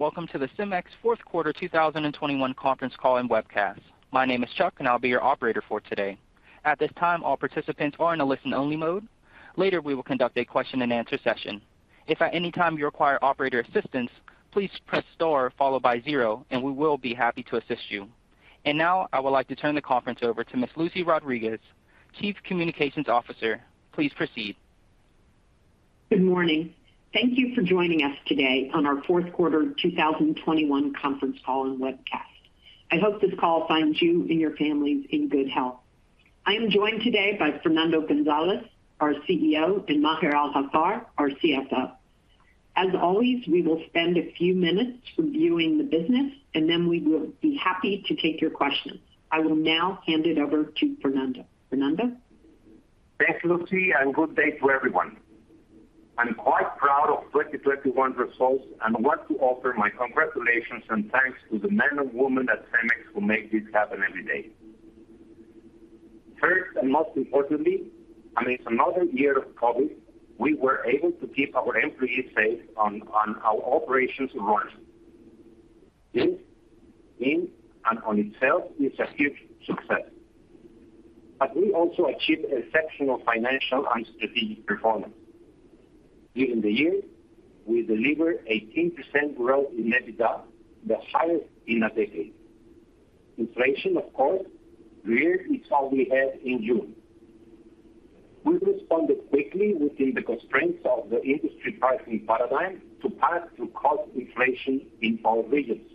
Welcome to the CEMEX Fourth Quarter 2021 Conference Call and webcast. My name is Chuck, and I'll be your operator for today. At this time, all participants are in a listen-only mode. Later, we will conduct a question-and-answer session. If at any time you require operator assistance, please press star followed by zero, and we will be happy to assist you. Now, I would like to turn the conference over to Ms. Lucy Rodriguez, Chief Communications Officer. Please proceed. Good morning. Thank you for joining us today on our Q4 2021 Conference Call and Webcast. I hope this call finds you and your families in good health. I am joined today by Fernando Gonzalez, our CEO, and Maher Al-Haffar, our CFO. As always, we will spend a few minutes reviewing the business, and then we will be happy to take your questions. I will now hand it over to Fernando. Fernando? Thanks, Lucy, and good day to everyone. I'm quite proud of 2021 results and want to offer my congratulations and thanks to the men and women at CEMEX who make this happen every day. First, and most importantly, amidst another year of COVID, we were able to keep our employees safe and our operations running. This in and on itself is a huge success. We also achieved exceptional financial and strategic performance. During the year, we delivered 18% growth in EBITDA, the highest in a decade. Inflation, of course, reared its ugly head in June. We responded quickly within the constraints of the industry pricing paradigm to pass through cost inflation in all regions.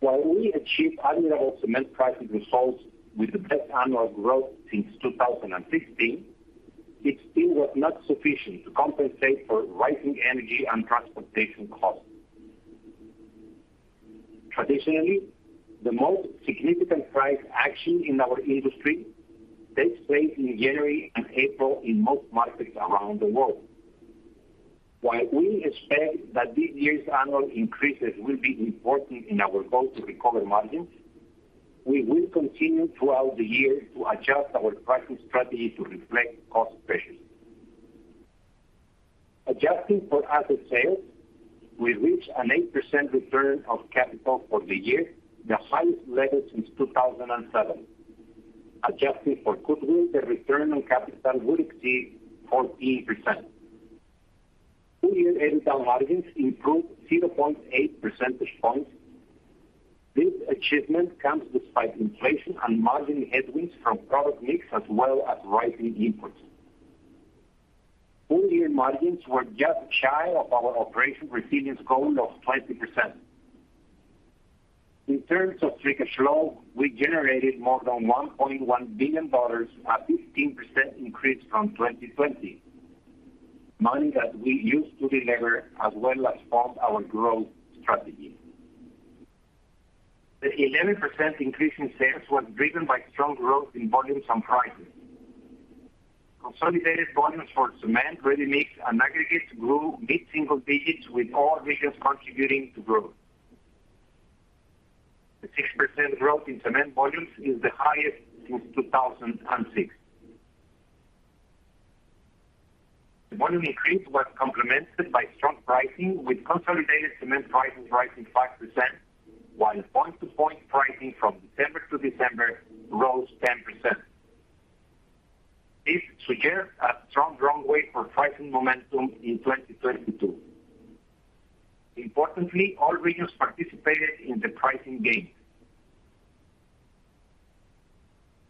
While we achieved high-level cement pricing results with the best annual growth since 2015, it still was not sufficient to compensate for rising energy and transportation costs. Traditionally, the most significant price action in our industry takes place in January and April in most markets around the world. While we expect that this year's annual increases will be important in our goal to recover margins, we will continue throughout the year to adjust our pricing strategy to reflect cost pressures. Adjusting for asset sales, we reached an 8% return of capital for the year, the highest level since 2007. Adjusting for goodwill, the return on capital would exceed 14%. Full-year EBITDA margins improved 0.8 percentage points. This achievement comes despite inflation and margin headwinds from product mix as well as rising inputs. Full-year margins were just shy of our Operation Resilience goal of 20%. In terms of free cash flow, we generated more than $1.1 billion, a 15% increase from 2020, money that we used to delever as well as fund our growth strategy. The 11% increase in sales was driven by strong growth in volumes and prices. Consolidated volumes for cement, ready-mix, and aggregates grew mid-single digits, with all regions contributing to growth. The 6% growth in cement volumes is the highest since 2006. The volume increase was complemented by strong pricing, with consolidated cement prices rising 5%, while point-to-point pricing from December to December rose 10%. This suggests a strong runway for pricing momentum in 2022. Importantly, all regions participated in the pricing gains.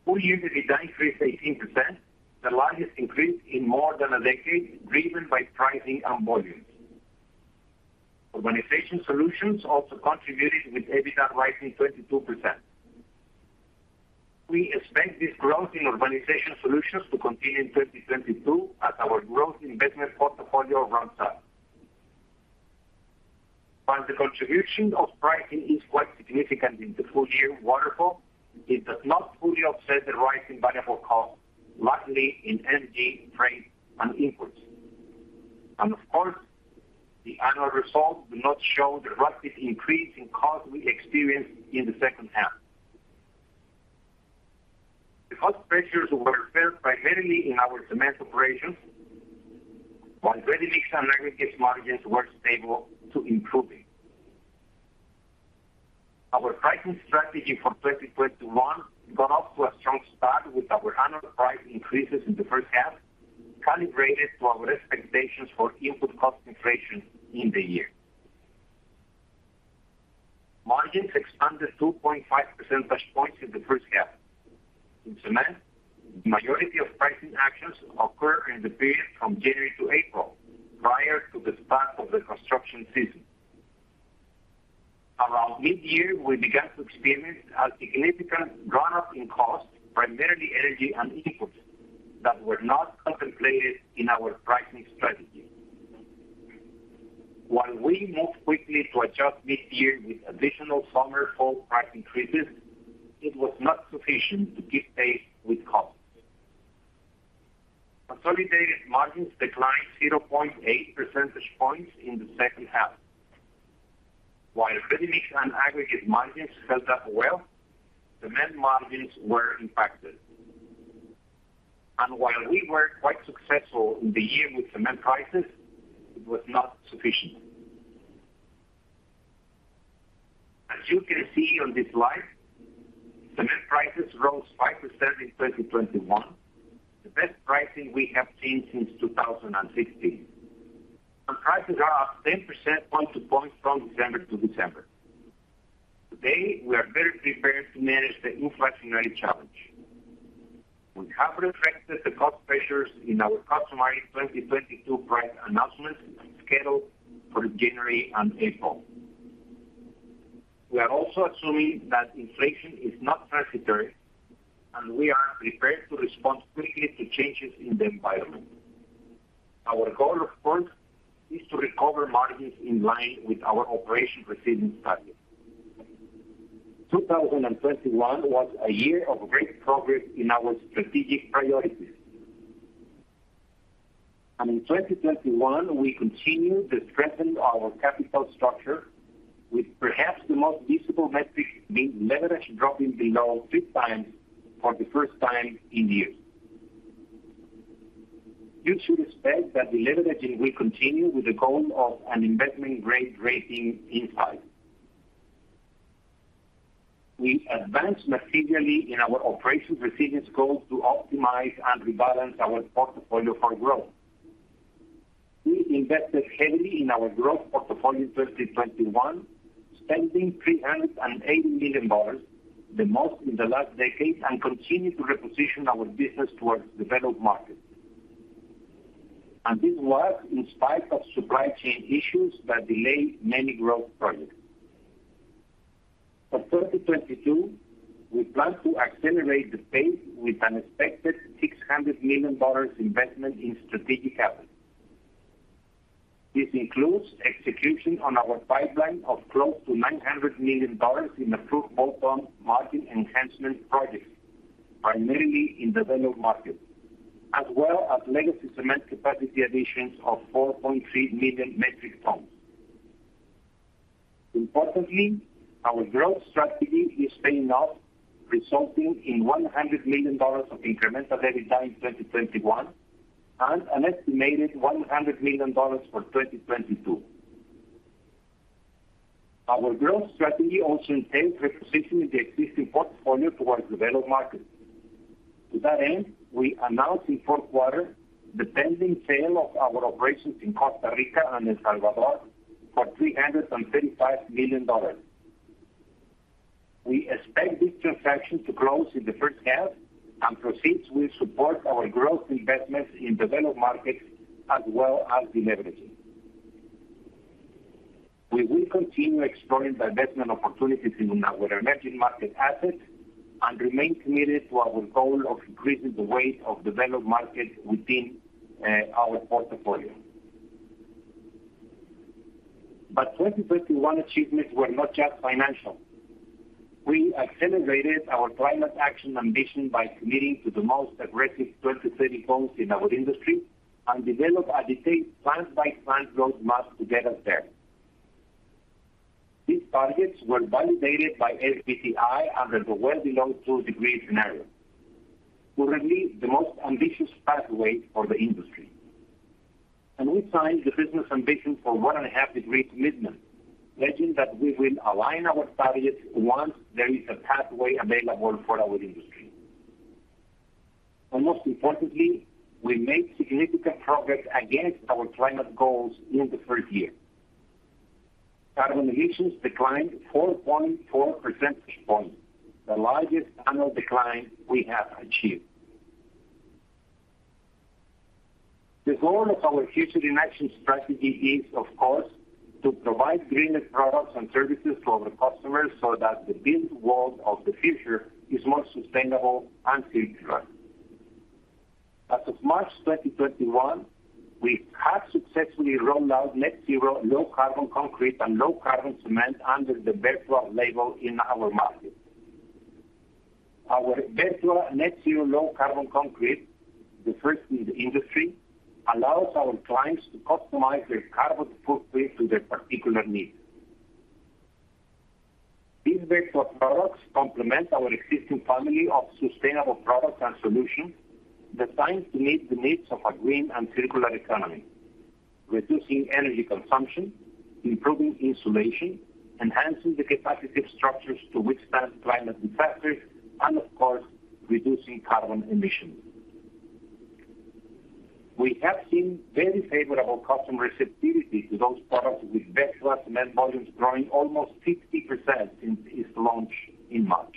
Full-year EBITDA increased 18%, the largest increase in more than a decade, driven by pricing and volumes. Urbanization Solutions also contributed, with EBITDA rising 22%. We expect this growth in Urbanization Solutions to continue in 2022 as our growth investment portfolio ramps up. While the contribution of pricing is quite significant in the full-year waterfall, it does not fully offset the rising variable costs, largely in energy, freight, and inputs. Of course, the annual results do not show the rapid increase in costs we experienced in the second half. The cost pressures were felt primarily in our cement operations, while ready-mix and aggregates margins were stable to improving. Our pricing strategy for 2021 got off to a strong start with our annual price increases in the first half, calibrated to our expectations for input cost inflation in the year. Margins expanded 2.5 percentage points in the first half. In cement, the majority of pricing actions occurred in the period from January to April, prior to the start of the construction season. Around mid-year, we began to experience a significant runoff in costs, primarily energy and inputs, that were not contemplated in our pricing strategy. While we moved quickly to adjust mid-year with additional summer/fall price increases, it was not sufficient to keep pace with costs. Consolidated margins declined 0.8 percentage points in the second half. While ready-mix and aggregate margins held up well, cement margins were impacted. While we were quite successful in the year with cement prices, it was not sufficient. As you can see on this slide, cement prices rose 5% in 2021, the best pricing we have seen since 2016. Our prices are up 10% point to point from December to December. Today, we are better prepared to manage the inflationary challenge. We have reflected the cost pressures in our customized 2022 price announcements scheduled for January and April. We are also assuming that inflation is not transitory, and we are prepared to respond quickly to changes in the environment. Our goal, of course, is to recover margins in line with our Operation Resilience target. 2021 was a year of great progress in our strategic priorities. In 2021, we continued to strengthen our capital structure with perhaps the most visible metric being leverage dropping below three times for the first time in years. You should expect that deleveraging will continue with the goal of an investment-grade rating in sight. We advanced materially in our Operation Resilience goal to optimize and rebalance our portfolio for growth. We invested heavily in our growth portfolio in 2021, spending $380 million, the most in the last decade, and continue to reposition our business towards developed markets. This was in spite of supply chain issues that delayed many growth projects. For 2022, we plan to accelerate the pace with an expected $600 million investment in strategic assets. This includes execution on our pipeline of close to $900 million in approved bolt-on margin enhancement projects, primarily in developed markets, as well as legacy cement capacity additions of 4.3 million metric tons. Importantly, our growth strategy is paying off, resulting in $100 million of incremental EBITDA in 2021 and an estimated $100 million for 2022. Our growth strategy also entails repositioning the existing portfolio towards developed markets. To that end, we announced in fourth quarter the pending sale of our operations in Costa Rica and El Salvador for $335 million. We expect this transaction to close in the first half, and proceeds will support our growth investments in developed markets as well as deleveraging. We will continue exploring divestment opportunities in our emerging market assets and remain committed to our goal of increasing the weight of developed markets within our portfolio. 2021 achievements were not just financial. We accelerated our climate action ambition by committing to the most aggressive 2030 goals in our industry and developed a detailed plant-by-plant road map to get us there. These targets were validated by SBTi under the Well Below 2°C Scenario, currently the most ambitious pathway for the industry. We signed the Business Ambition for 1.5°C commitment, pledging that we will align our targets once there is a pathway available for our industry. Most importantly, we made significant progress against our climate goals in the first year. Carbon emissions declined 4.4 percentage points, the largest annual decline we have achieved. The goal of our Future in Action strategy is, of course, to provide greener products and services to our customers so that the built world of the future is more sustainable and circular. As of March 2021, we have successfully rolled out net zero low carbon concrete and low carbon cement under the Vertua label in our markets. Our Vertua net zero low carbon concrete, the first in the industry, allows our clients to customize their carbon footprint to their particular needs. These Vertua products complement our existing family of sustainable products and solutions designed to meet the needs of a green and circular economy, reducing energy consumption, improving insulation, enhancing the capacity of structures to withstand climate disasters, and of course, reducing carbon emissions. We have seen very favorable customer receptivity to those products, with Vertua cement volumes growing almost 50% since its launch in March.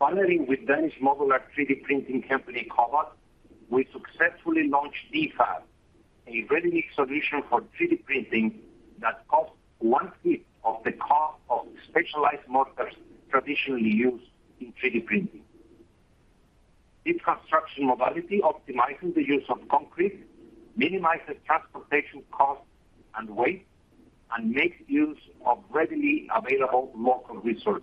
Partnering with Danish modular 3D printing company COBOD, we successfully launched D.fab, a ready-mix solution for 3D printing that costs 1/5 of the cost of the specialized mortars traditionally used in 3D printing. This construction modality optimizes the use of concrete, minimizes transportation costs and waste, and makes use of readily available local resources.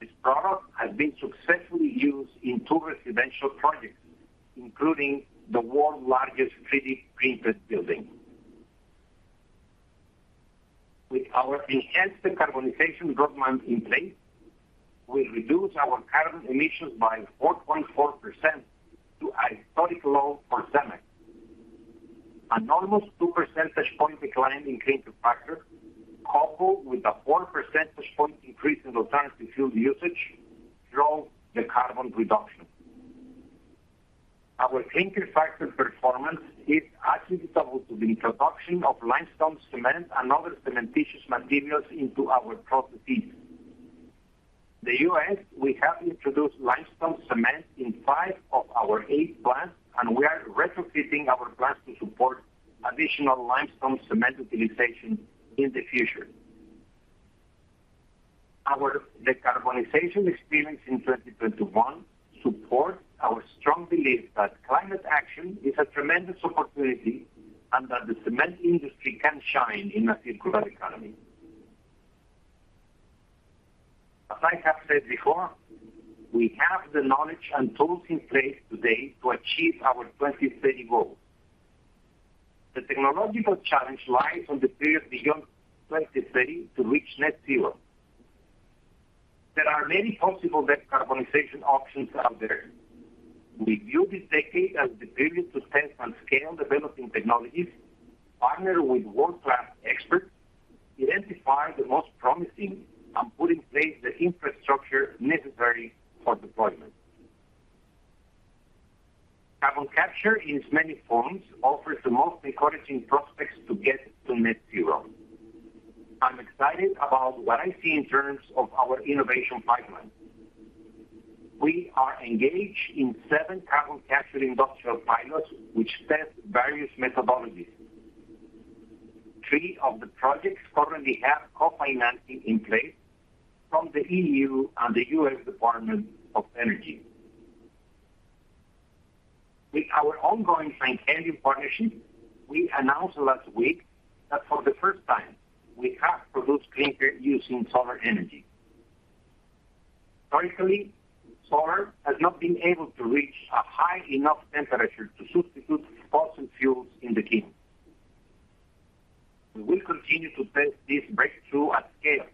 This product has been successfully used in two residential projects, including the world's largest 3D-printed building. With our enhanced decarbonization roadmap in place, we reduced our carbon emissions by 4.4% to a historic low for CEMEX. An almost two percentage point decline in clinker factor, coupled with a four percentage point increase in alternative fuel usage, drove the carbon reduction. Our clinker factor performance is attributable to the introduction of limestone cement and other cementitious materials into our processes. In the U.S., we have introduced limestone cement in five of our eight plants, and we are retrofitting our plants to support additional limestone cement utilization in the future. Our decarbonization experience in 2021 supports our strong belief that climate action is a tremendous opportunity and that the cement industry can shine in a circular economy. As I have said before, we have the knowledge and tools in place today to achieve our 2030 goal. The technological challenge lies on the period beyond 2030 to reach net zero. There are many possible decarbonization options out there. We view this decade as the period to test and scale developing technologies, partner with world-class experts, identify the most promising, and put in place the infrastructure necessary for deployment. Carbon capture in its many forms offers the most encouraging prospects to get to net zero. I'm excited about what I see in terms of our innovation pipeline. We are engaged in seven carbon capture industrial pilots, which test various methodologies. Three of the projects currently have co-financing in place from the E.U. and the U.S. Department of Energy. With our ongoing scientific partnership, we announced last week that for the first time, we have produced clinker using solar energy. Historically, solar has not been able to reach a high enough temperature to substitute fossil fuels in the kiln. We will continue to test this breakthrough at scale.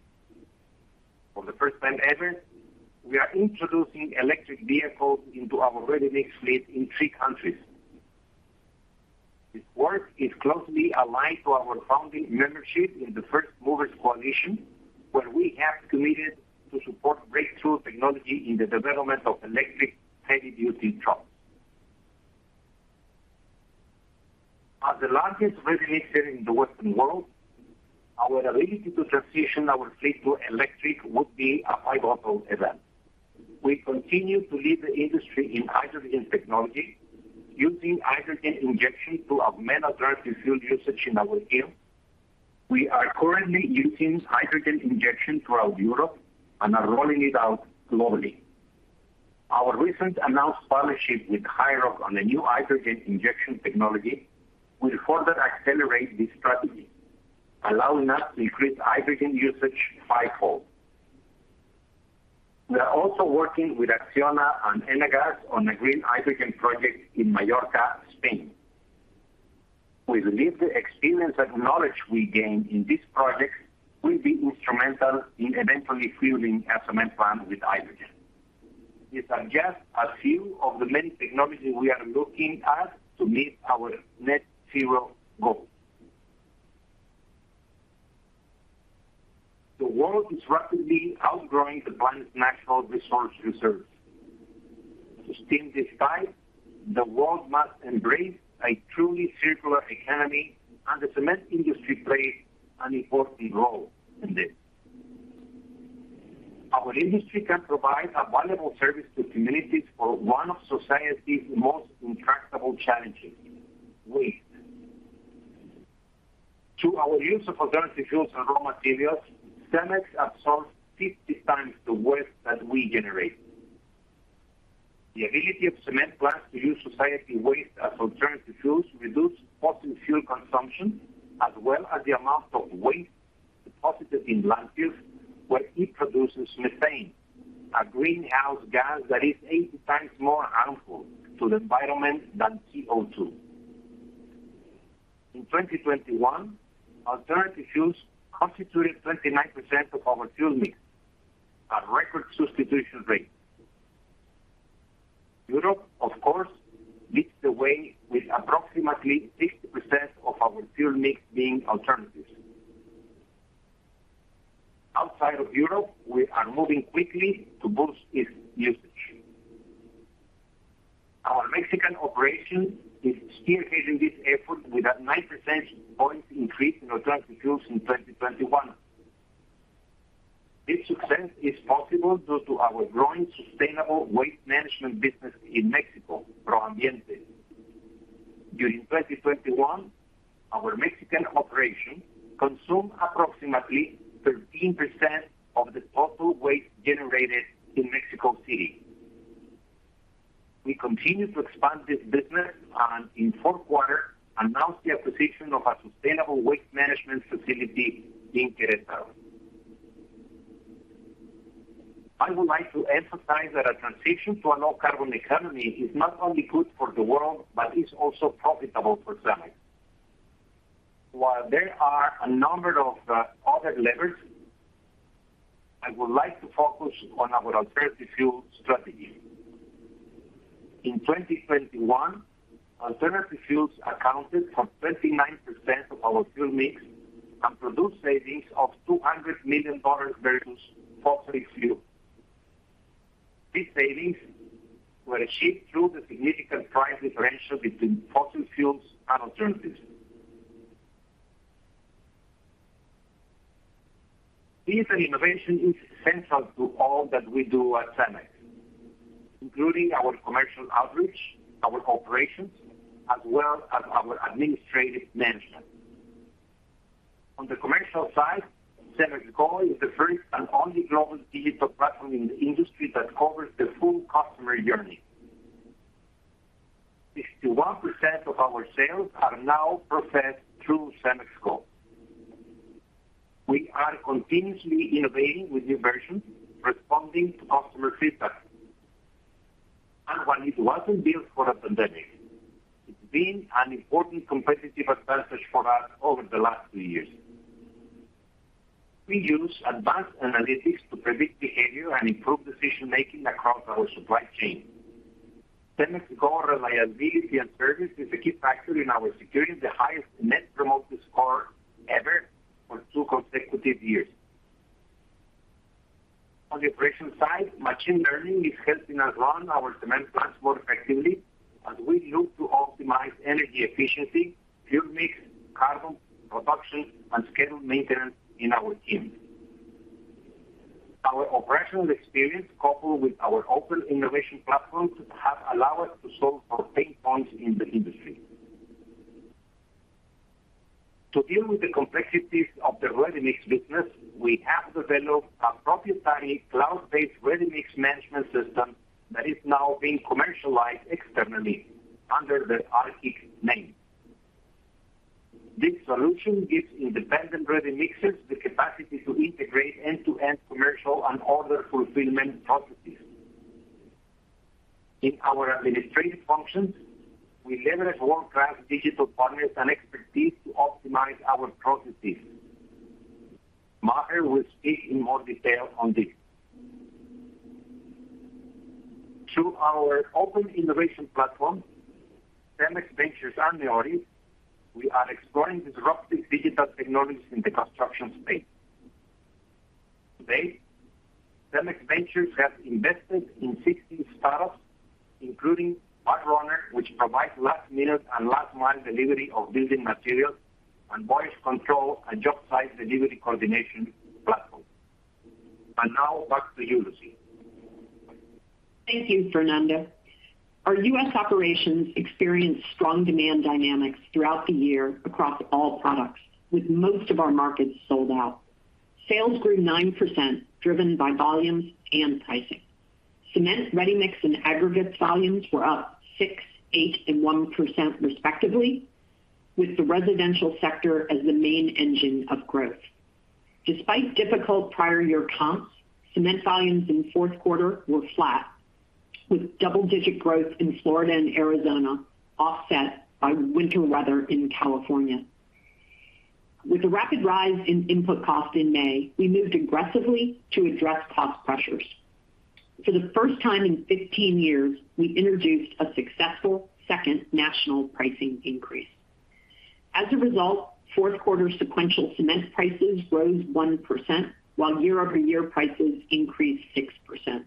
For the first time ever, we are introducing electric vehicles into our ready-mix fleet in three countries. This work is closely aligned to our founding membership in the First Movers Coalition, where we have committed to support breakthrough technology in the development of electric heavy-duty trucks. As the largest ready-mix in the western world, our ability to transition our fleet to electric would be a high-profile event. We continue to lead the industry in hydrogen technology using hydrogen injection to augment alternative fuel usage in our kiln. We are currently using hydrogen injection throughout Europe and are rolling it out globally. Our recent announced partnership with HiiROC on a new hydrogen injection technology will further accelerate this strategy, allowing us to increase hydrogen usage fivefold. We are also working with ACCIONA and Enagás on a green hydrogen project in Mallorca, Spain. We believe the experience and knowledge we gain in this project will be instrumental in eventually fueling our cement plant with hydrogen. These are just a few of the many technologies we are looking at to meet our net zero goal. The world is rapidly outgrowing the planet's natural resource reserves. To stem this tide, the world must embrace a truly circular economy, and the cement industry plays an important role in this. Our industry can provide a valuable service to communities for one of society's most intractable challenges, waste. Through our use of alternative fuels and raw materials, CEMEX absorbs 50 times the waste that we generate. The ability of cement plants to use solid waste as alternative fuels reduce fossil fuel consumption, as well as the amount of waste deposited in landfills, where it produces methane, a greenhouse gas that is 80 times more harmful to the environment than CO2. In 2021, alternative fuels constituted 29% of our fuel mix, a record substitution rate. Europe, of course, leads the way with approximately 60% of our fuel mix being alternatives. Outside of Europe, we are moving quickly to boost its usage. Our Mexican operation is spearheading this effort with a 9 percentage point increase in alternative fuels in 2021. This success is possible due to our growing sustainable waste management business in Mexico, Pro Ambiente. During 2021, our Mexican operation consumed approximately 13% of the total waste generated in Mexico City. We continue to expand this business and in fourth quarter, announced the acquisition of a sustainable waste management facility in Querétaro. I would like to emphasize that a transition to a low carbon economy is not only good for the world, but is also profitable for CEMEX. While there are a number of other levers, I would like to focus on our alternative fuel strategy. In 2021, alternative fuels accounted for 39% of our fuel mix and produced savings of $200 million versus fossil fuel. These savings were achieved through the significant price differential between fossil fuels and alternatives. Digital innovation is central to all that we do at CEMEX, including our commercial outreach, our operations, as well as our administrative management. On the commercial side, CEMEX Go is the first and only global digital platform in the industry that covers the full customer journey. 61% of our sales are now processed through CEMEX Go. We are continuously innovating with new versions, responding to customer feedback. While it wasn't built for a pandemic, it's been an important competitive advantage for us over the last two years. We use advanced analytics to predict behavior and improve decision-making across our supply chain. CEMEX Go reliability and service is a key factor in our securing the highest Net Promoter Score ever for two consecutive years. On the operations side, machine learning is helping us run our cement plants more effectively as we look to optimize energy efficiency, fuel mix, carbon production, and scheduled maintenance in our plants. Our operational experience, coupled with our open innovation platforms, have allowed us to solve for pain points in the industry. To deal with the complexities of the ready-mix business, we have developed a proprietary cloud-based ready-mix management system that is now being commercialized externally under the Arkik name. This solution gives independent ready mixers the capacity to integrate end-to-end commercial and order fulfillment processes. In our administrative functions, we leverage world-class digital partners and expertise to optimize our processes. Maher will speak in more detail on this. Through our open innovation platform, CEMEX Ventures and NEORIS, we are exploring disruptive digital tech`nologies in the construction space. To date, CEMEX Ventures has invested in 16 startups, including PartRunner, which provides last minute and last mile delivery of building materials, and Voyce Control, a job site delivery coordination platform. Now back to you, Lucy. Thank you, Fernando. Our U.S. operations experienced strong demand dynamics throughout the year across all products, with most of our markets sold out. Sales grew 9%, driven by volumes and pricing. Cement, ready-mix, and aggregates volumes were up 6%, 8%, and 1% respectively, with the residential sector as the main engine of growth. Despite difficult prior year comps, cement volumes in fourth quarter were flat, with double-digit growth in Florida and Arizona offset by winter weather in California. With the rapid rise in input cost in May, we moved aggressively to address cost pressures. For the first time in 15 years, we introduced a successful second national pricing increase. As a result, fourth quarter sequential cement prices rose 1%, while year-over-year prices increased 6%.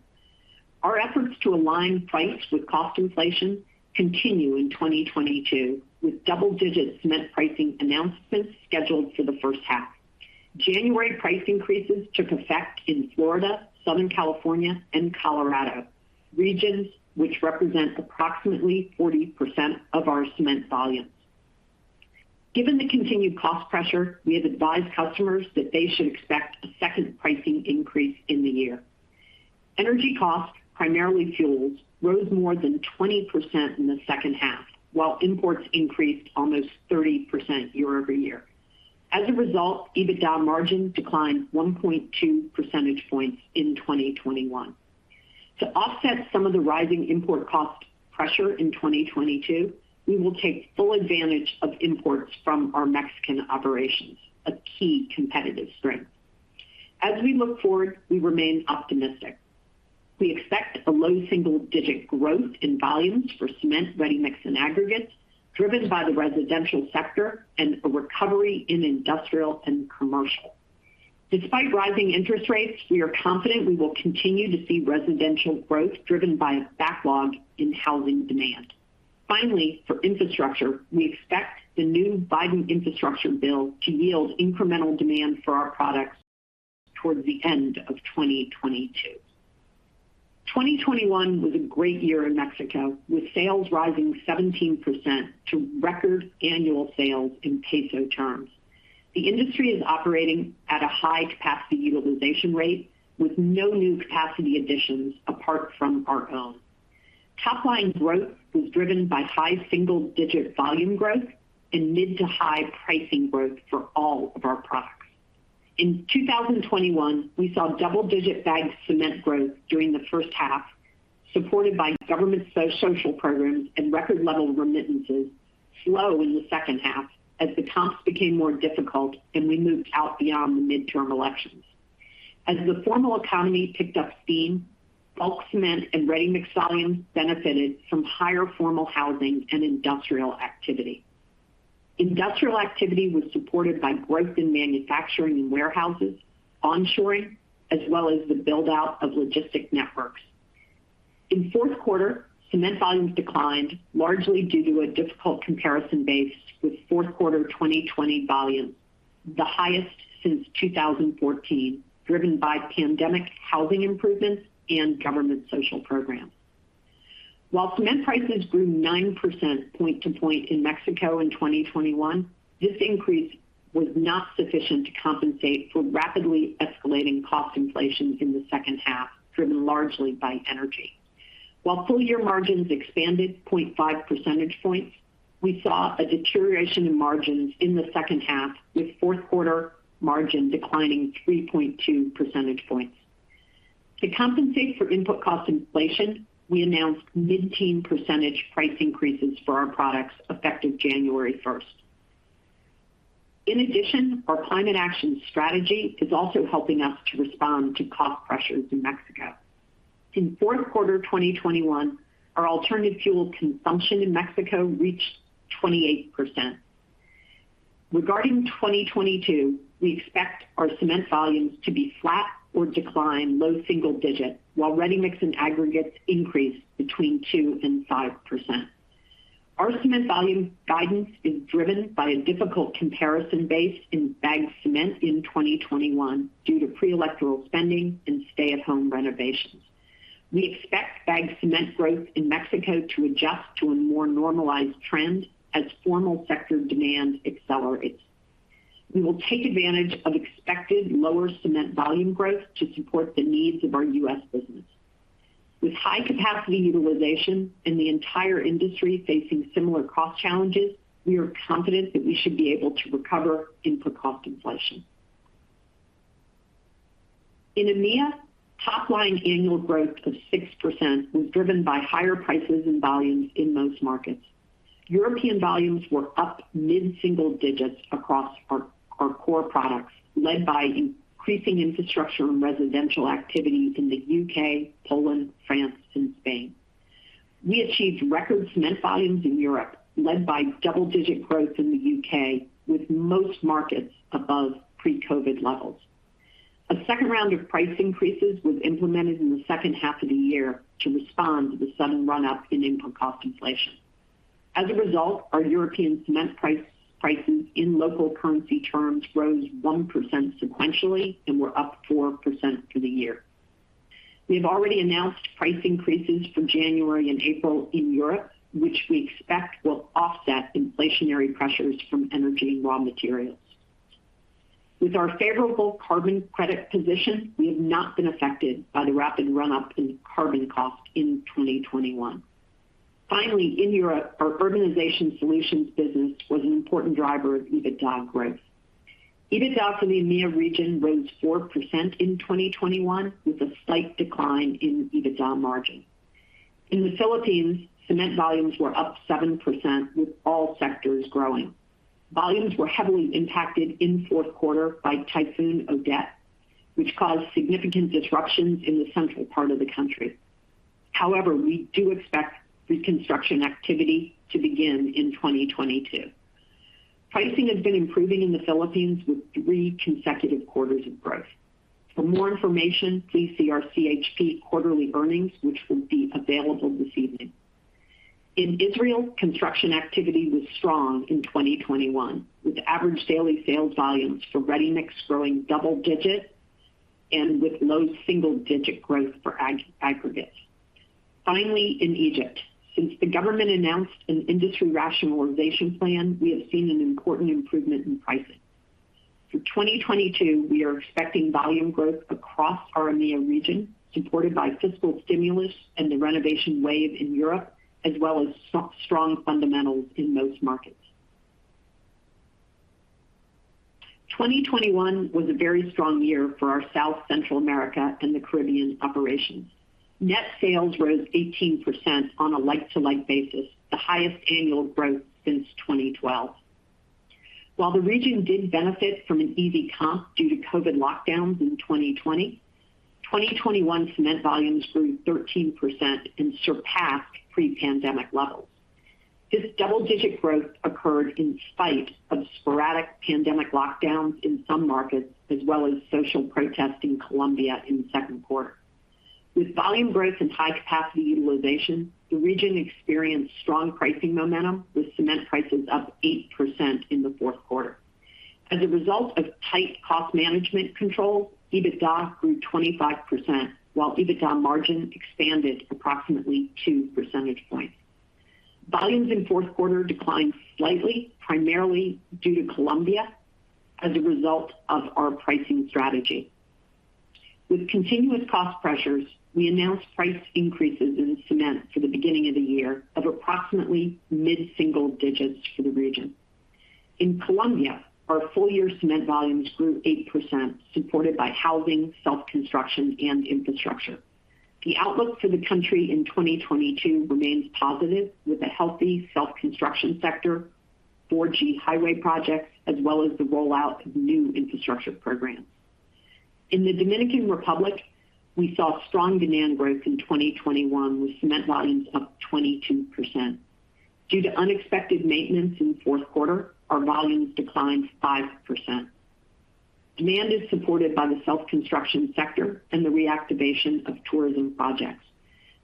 Our efforts to align price with cost inflation continue in 2022, with double-digit cement pricing announcements scheduled for the first half. January price increases took effect in Florida, Southern California, and Colorado, regions which represent approximately 40% of our cement volumes. Given the continued cost pressure, we have advised customers that they should expect a second pricing increase in the year. Energy costs, primarily fuels, rose more than 20% in the second half, while imports increased almost 30% year-over-year. As a result, EBITDA margins declined 1.2 percentage points in 2021. To offset some of the rising import cost pressure in 2022, we will take full advantage of imports from our Mexican operations, a key competitive strength. As we look forward, we remain optimistic. We expect a low single-digit growth in volumes for cement, ready-mix, and aggregates driven by the residential sector and a recovery in industrial and commercial. Despite rising interest rates, we are confident we will continue to see residential growth driven by a backlog in housing demand. Finally, for infrastructure, we expect the new Bipartisan Infrastructure Law to yield incremental demand for our products towards the end of 2022. 2021 was a great year in Mexico, with sales rising 17% to record annual sales in peso terms. The industry is operating at a high capacity utilization rate with no new capacity additions apart from our own. Top line growth was driven by high single-digit volume growth and mid to high pricing growth for all of our products. In 2021, we saw double-digit bagged cement growth during the first half, supported by government social programs and record level remittances, slowing in the second half as the comps became more difficult and we moved out beyond the midterm elections. As the formal economy picked up steam, bulk cement and ready-mix volumes benefited from higher formal housing and industrial activity. Industrial activity was supported by growth in manufacturing and warehouses, onshoring, as well as the build-out of logistic networks. In fourth quarter, cement volumes declined largely due to a difficult comparison base with fourth quarter 2020 volumes, the highest since 2014, driven by pandemic housing improvements and government social programs. While cement prices grew 9% point to point in Mexico in 2021, this increase was not sufficient to compensate for rapidly escalating cost inflation in the second half, driven largely by energy. While full-year margins expanded 0.5 percentage points, we saw a deterioration in margins in the second half, with fourth quarter margin declining 3.2 percentage points. To compensate for input cost inflation, we announced mid-teens percentage price increases for our products effective January 1. In addition, our climate action strategy is also helping us to respond to cost pressures in Mexico. In fourth quarter 2021, our alternative fuel consumption in Mexico reached 28%. Regarding 2022, we expect our cement volumes to be flat or decline low single-digit, while ready-mix and aggregates increase between 2% and 5%. Our cement volume guidance is driven by a difficult comparison base in bagged cement in 2021 due to pre-electoral spending and stay-at-home renovations. We expect bagged cement growth in Mexico to adjust to a more normalized trend as formal sector demand accelerates. We will take advantage of expected lower cement volume growth to support the needs of our U.S. business. With high capacity utilization and the entire industry facing similar cost challenges, we are confident that we should be able to recover input cost inflation. In EMEA, top line annual growth of 6% was driven by higher prices and volumes in most markets. European volumes were up mid-single digits across our core products, led by increasing infrastructure and residential activity in the U.K., Poland, France, and Spain. We achieved record cement volumes in Europe, led by double-digit growth in the U.K., with most markets above pre-COVID levels. A second round of price increases was implemented in the second half of the year to respond to the sudden run-up in input cost inflation. As a result, our European cement prices in local currency terms rose 1% sequentially and were up 4% for the year. We've already announced price increases for January and April in Europe, which we expect will offset inflationary pressures from energy and raw materials. With our favorable carbon credit position, we have not been affected by the rapid run-up in carbon cost in 2021. Finally, in Europe, our Urbanization Solutions business was an important driver of EBITDA growth. EBITDA for the EMEA region rose 4% in 2021, with a slight decline in EBITDA margin. In the Philippines, cement volumes were up 7%, with all sectors growing. Volumes were heavily impacted in fourth quarter by Typhoon Odette, which caused significant disruptions in the central part of the country. However, we do expect reconstruction activity to begin in 2022. Pricing has been improving in the Philippines with three consecutive quarters of growth. For more information, please see our CHP quarterly earnings, which will be available this evening. In Israel, construction activity was strong in 2021, with average daily sales volumes for ready-mix growing double digits and with low single-digit growth for aggregates. Finally, in Egypt, since the government announced an industry rationalization plan, we have seen an important improvement in pricing. For 2022, we are expecting volume growth across our EMEA region, supported by fiscal stimulus and the renovation wave in Europe, as well as strong fundamentals in most markets. 2021 was a very strong year for our South Central America and the Caribbean operations. Net sales rose 18% on a like-to-like basis, the highest annual growth since 2012. While the region did benefit from an easy comp due to COVID lockdowns in 2020, 2021 cement volumes grew 13% and surpassed pre-pandemic levels. This double-digit growth occurred in spite of sporadic pandemic lockdowns in some markets, as well as social protests in Colombia in the second quarter. With volume growth and high capacity utilization, the region experienced strong pricing momentum, with cement prices up 8% in the fourth quarter. As a result of tight cost management control, EBITDA grew 25%, while EBITDA margin expanded approximately 2 percentage points. Volumes in fourth quarter declined slightly, primarily due to Colombia as a result of our pricing strategy. With continuous cost pressures, we announced price increases in cement for the beginning of the year of approximately mid-single digits for the region. In Colombia, our full-year cement volumes grew 8%, supported by housing, self-construction, and infrastructure. The outlook for the country in 2022 remains positive with a healthy self-construction sector, 4G highway projects, as well as the rollout of new infrastructure programs. In the Dominican Republic, we saw strong demand growth in 2021, with cement volumes up 22%. Due to unexpected maintenance in fourth quarter, our volumes declined 5%. Demand is supported by the self-construction sector and the reactivation of tourism projects.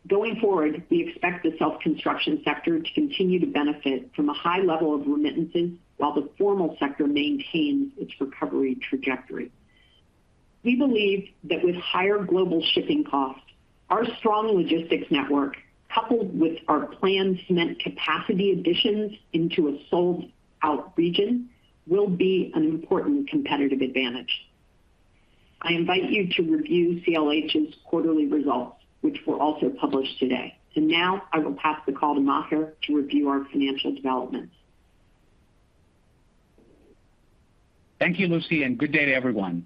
Going forward, we expect the self-construction sector to continue to benefit from a high level of remittances, while the formal sector maintains its recovery trajectory. We believe that with higher global shipping costs, our strong logistics network, coupled with our planned cement capacity additions into a sold-out region, will be an important competitive advantage. I invite you to review CLH's quarterly results, which were also published today. Now I will pass the call to Maher to review our financial developments. Thank you, Lucy, and good day to everyone.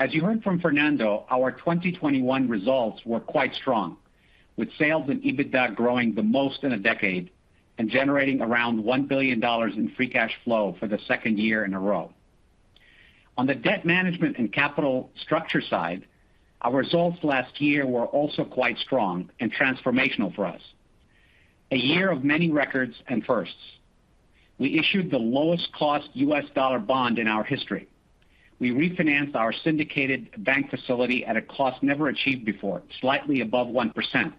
As you heard from Fernando, our 2021 results were quite strong, with sales and EBITDA growing the most in a decade and generating around $1 billion in free cash flow for the second year in a row. On the debt management and capital structure side, our results last year were also quite strong and transformational for us. A year of many records and firsts. We issued the lowest cost U.S. dollar bond in our history. We refinanced our syndicated bank facility at a cost never achieved before, slightly above 1%,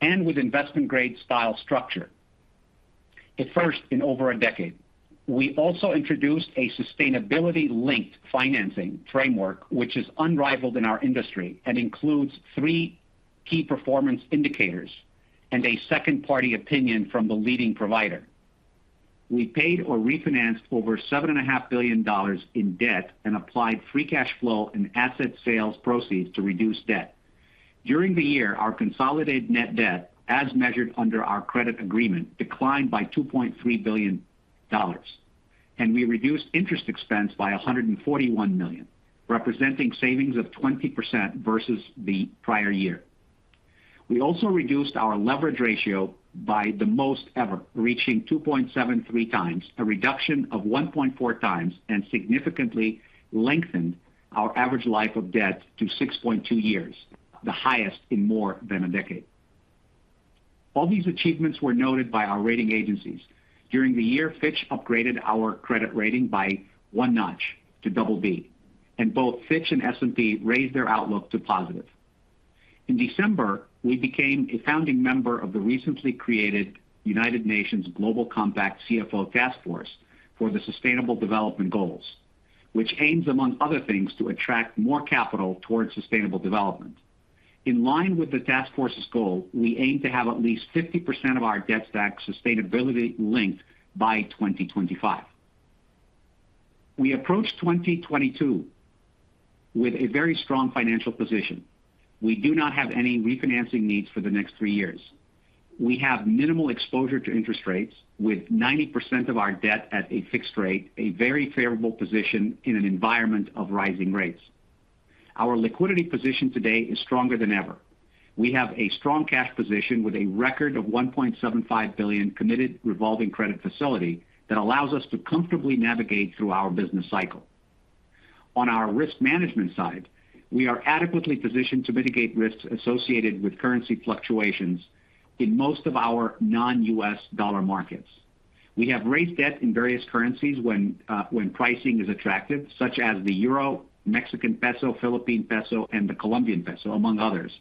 and with investment grade style structure. A first in over a decade. We also introduced a Sustainability-Linked Financing Framework, which is unrivaled in our industry and includes three key performance indicators and a second-party opinion from the leading provider. We paid or refinanced over $7.5 billion in debt and applied free cash flow and asset sales proceeds to reduce debt. During the year, our consolidated net debt, as measured under our credit agreement, declined by $2.3 billion, and we reduced interest expense by $141 million, representing savings of 20% versus the prior year. We also reduced our leverage ratio by the most ever, reaching 2.73x, a reduction of 1.4x, and significantly lengthened our average life of debt to 6.2 years, the highest in more than a decade. All these achievements were noted by our rating agencies. During the year, Fitch upgraded our credit rating by one notch to BB, and both Fitch and S&P raised their outlook to positive. In December, we became a founding member of the recently created United Nations Global Compact CFO Taskforce for the Sustainable Development Goals, which aims, among other things, to attract more capital towards sustainable development. In line with the Taskforce's goal, we aim to have at least 50% of our debt stack sustainability linked by 2025. We approach 2022 with a very strong financial position. We do not have any refinancing needs for the next three years. We have minimal exposure to interest rates with 90% of our debt at a fixed rate, a very favorable position in an environment of rising rates. Our liquidity position today is stronger than ever. We have a strong cash position with a record $1.75 billion committed revolving credit facility that allows us to comfortably navigate through our business cycle. On our risk management side, we are adequately positioned to mitigate risks associated with currency fluctuations in most of our non-U.S. dollar markets. We have raised debt in various currencies when pricing is attractive, such as the euro, Mexican peso, Philippine peso, and the Colombian peso, among others,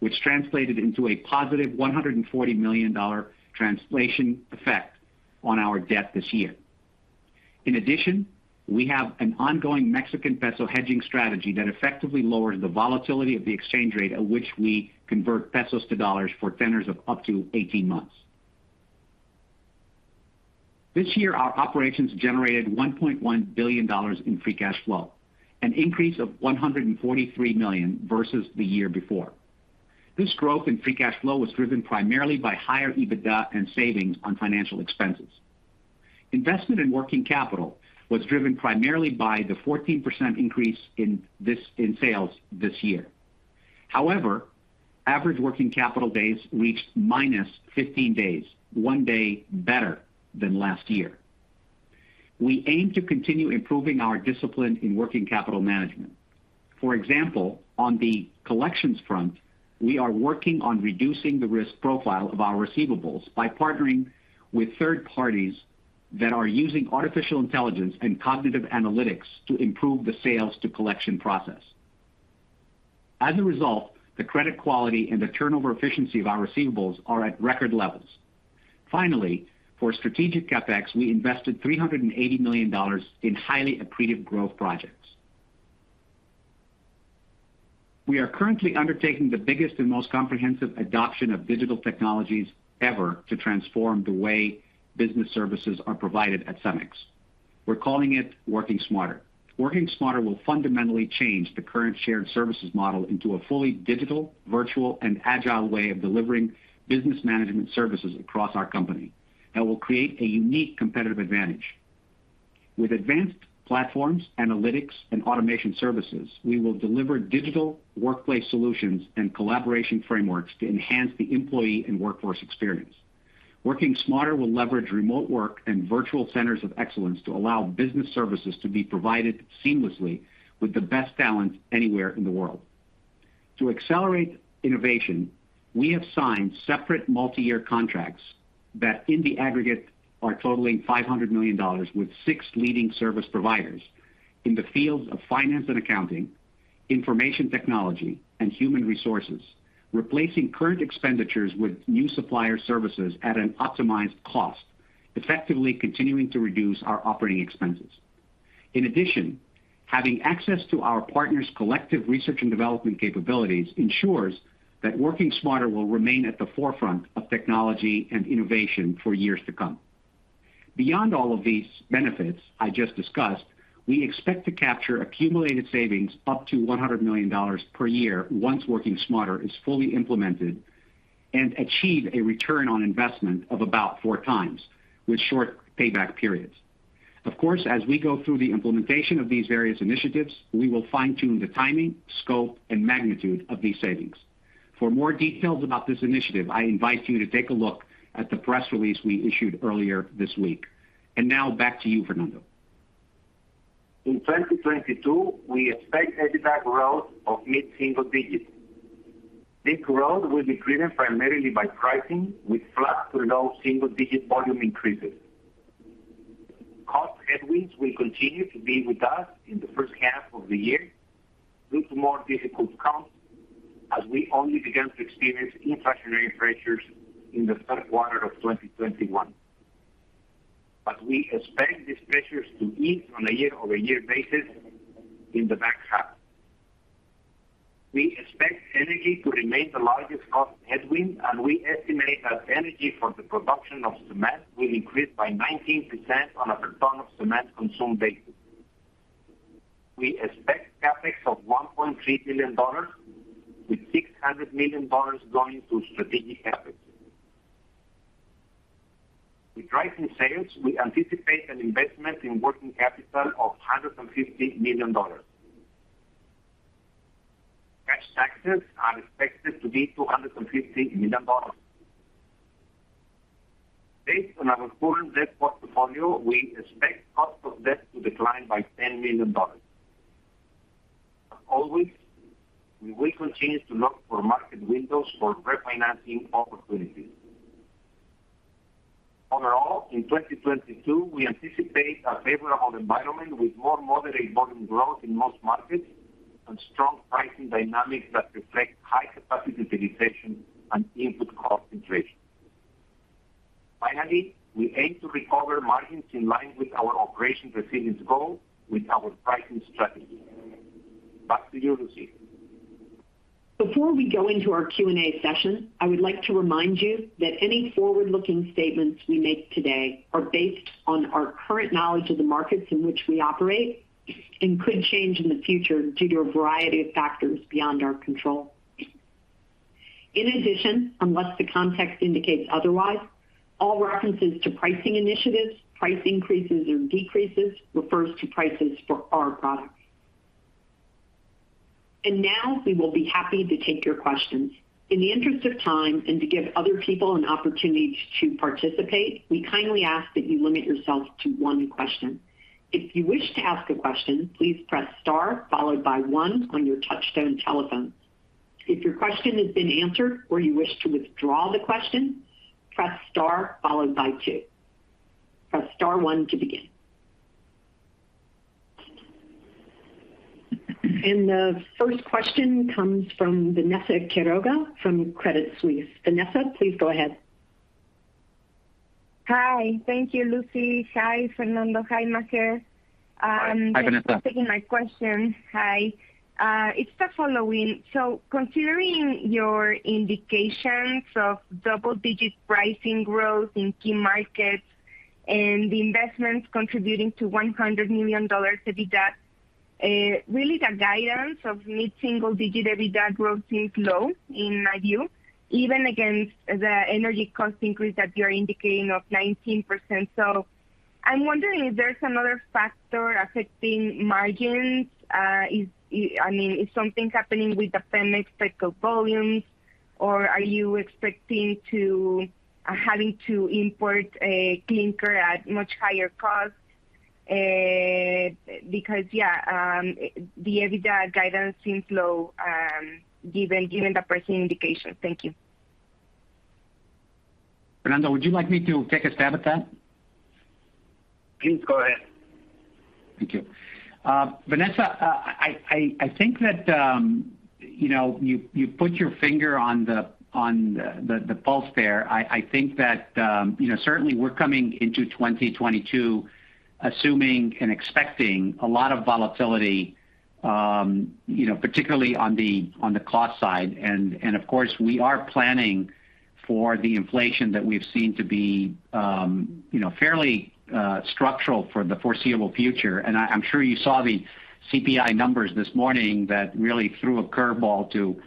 which translated into a positive $140 million translation effect on our debt this year. In addition, we have an ongoing Mexican peso hedging strategy that effectively lowers the volatility of the exchange rate at which we convert pesos to dollars for tenors of up to 18 months. This year, our operations generated $1.1 billion in free cash flow, an increase of $143 million versus the year before. This growth in free cash flow was driven primarily by higher EBITDA and savings on financial expenses. Investment in working capital was driven primarily by the 14% increase in sales this year. However, average working capital days reached -15 days, one day better than last year. We aim to continue improving our discipline in working capital management. For example, on the collections front, we are working on reducing the risk profile of our receivables by partnering with third parties that are using artificial intelligence and cognitive analytics to improve the sales to collection process. As a result, the credit quality and the turnover efficiency of our receivables are at record levels. Finally, for strategic CapEx, we invested $380 million in highly accretive growth projects. We are currently undertaking the biggest and most comprehensive adoption of digital technologies ever to transform the way business services are provided at CEMEX. We're calling it Working Smarter. Working Smarter will fundamentally change the current shared services model into a fully digital, virtual, and agile way of delivering business management services across our company that will create a unique competitive advantage. With advanced platforms, analytics, and automation services, we will deliver digital workplace solutions and collaboration frameworks to enhance the employee and workforce experience. Working Smarter will leverage remote work and virtual centers of excellence to allow business services to be provided seamlessly with the best talent anywhere in the world. To accelerate innovation, we have signed separate multi-year contracts that in the aggregate are totaling $500 million with six leading service providers in the fields of finance and accounting, information technology, and human resources, replacing current expenditures with new supplier services at an optimized cost, effectively continuing to reduce our operating expenses. In addition, having access to our partners' collective research and development capabilities ensures that Working Smarter will remain at the forefront of technology and innovation for years to come. Beyond all of these benefits I just discussed, we expect to capture accumulated savings up to $100 million per year once Working Smarter is fully implemented and achieve a return on investment of about 4x with short payback periods. Of course, as we go through the implementation of these various initiatives, we will fine-tune the timing, scope, and magnitude of these savings. For more details about this initiative, I invite you to take a look at the press release we issued earlier this week. Now back to you, Fernando. In 2022, we expect EBITDA growth of mid-single digits. This growth will be driven primarily by pricing with flat to low single-digit volume increases. Cost headwinds will continue to be with us in the first half of the year due to more difficult comps as we only began to experience inflationary pressures in the third quarter of 2021. We expect these pressures to ease on a year-over-year basis in the back half. We expect energy to remain the largest cost headwind, and we estimate that energy for the production of cement will increase by 19% on a per ton of cement consumed basis. We expect CapEx of $1.3 billion, with $600 million going to strategic efforts. With rising sales, we anticipate an investment in working capital of $150 million. Cash taxes are expected to be $250 million. Based on our current debt portfolio, we expect cost of debt to decline by $10 million. As always, we will continue to look for market windows for refinancing opportunities. Overall, in 2022, we anticipate a favorable environment with more moderate volume growth in most markets and strong pricing dynamics that reflect high capacity utilization and input cost inflation. Finally, we aim to recover margins in line with our Operation Resilience goal with our pricing strategy. Back to you, Lucy. Before we go into our Q&A session, I would like to remind you that any forward-looking statements we make today are based on our current knowledge of the markets in which we operate and could change in the future due to a variety of factors beyond our control. In addition, unless the context indicates otherwise, all references to pricing initiatives, price increases, or decreases refers to prices for our products. Now we will be happy to take your questions. In the interest of time and to give other people an opportunity to participate, we kindly ask that you limit yourself to one question. If you wish to ask a question, please press star followed by one on your touchtone telephone. If your question has been answered or you wish to withdraw the question, press star followed by two. Press star one to begin. The first question comes from Vanessa Quiroga from Credit Suisse. Vanessa, please go ahead. Hi. Thank you, Lucy. Hi, Fernando. Hi, Maher. Hi, Vanessa. Thanks for taking my question. Hi. It's the following. Considering your indications of double-digit pricing growth in key markets and the investments contributing to $100 million EBITDA, really the guidance of mid-single digit EBITDA growth seems low in my view, even against the energy cost increase that you're indicating of 19%. I'm wondering if there's another factor affecting margins. I mean, is something happening with the CEMEX export volumes or are you expecting to have to import clinker at much higher cost? Because the EBITDA guidance seems low, given the pricing indication. Thank you. Fernando, would you like me to take a stab at that? Please go ahead. Thank you. Vanessa, I think that you know, you put your finger on the pulse there. I think that you know, certainly we're coming into 2022 assuming and expecting a lot of volatility, you know, particularly on the cost side. Of course, we are planning for the inflation that we've seen to be you know, fairly structural for the foreseeable future. I'm sure you saw the CPI numbers this morning that really threw a curveball to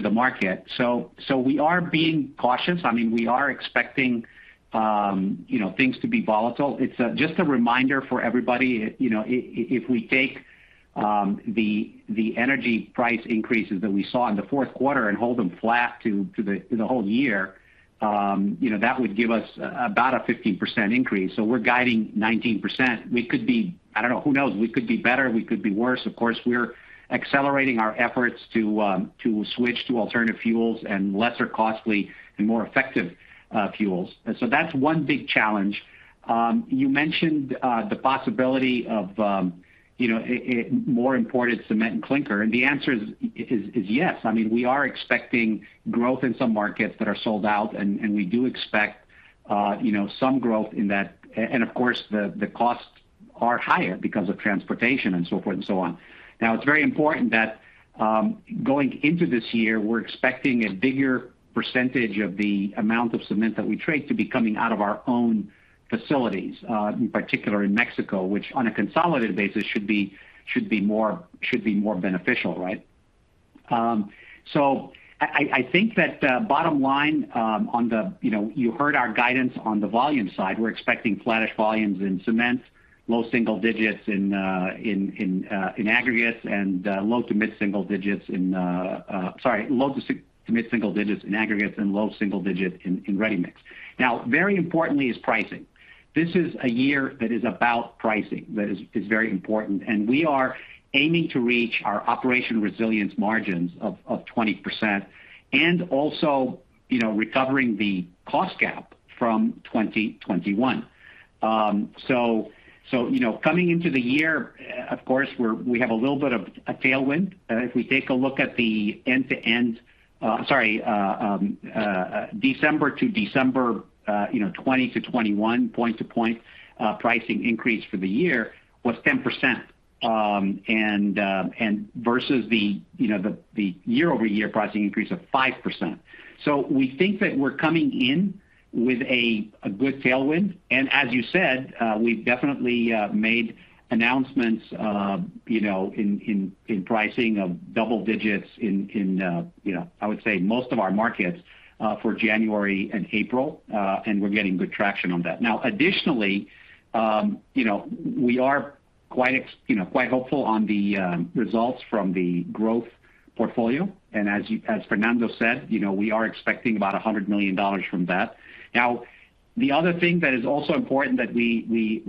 the market. We are being cautious. I mean, we are expecting you know, things to be volatile. It's just a reminder for everybody, you know, if we take the energy price increases that we saw in the fourth quarter and hold them flat to the whole year, you know, that would give us about a 15% increase. We're guiding 19%. We could be. I don't know, who knows? We could be better, we could be worse. Of course, we're accelerating our efforts to switch to alternative fuels and less costly and more effective fuels. That's one big challenge. You mentioned the possibility of, you know, a more imported cement and clinker, and the answer is yes. I mean, we are expecting growth in some markets that are sold out, and we do expect, you know, some growth in that. Of course, the costs are higher because of transportation and so forth and so on. Now, it's very important that going into this year, we're expecting a bigger percentage of the amount of cement that we trade to be coming out of our own facilities, in particular in Mexico, which on a consolidated basis should be more beneficial, right? I think that bottom line, you know, you heard our guidance on the volume side. We're expecting flattish volumes in cement, mid single-digit in aggregates and low single-digit in ready-mix. Now, very importantly is pricing. This is a year that is about pricing. That is very important. We are aiming to reach our Operation Resilience margins of 20% and also, you know, recovering the cost gap from 2021. You know, coming into the year, of course, we have a little bit of a tailwind. If we take a look at the end-to-end, December-to-December, you know, 2020 to 2021 point-to-point, pricing increase for the year was 10%. And versus the, you know, the year-over-year pricing increase of 5%. We think that we're coming in with a good tailwind. As you said, we've definitely made announcements, you know, in pricing of double-digits in, you know, I would say most of our markets, for January and April, and we're getting good traction on that. Now, additionally, you know, we are quite hopeful on the results from the growth portfolio. As Fernando said, you know, we are expecting about $100 million from that. Now, the other thing that is also important that we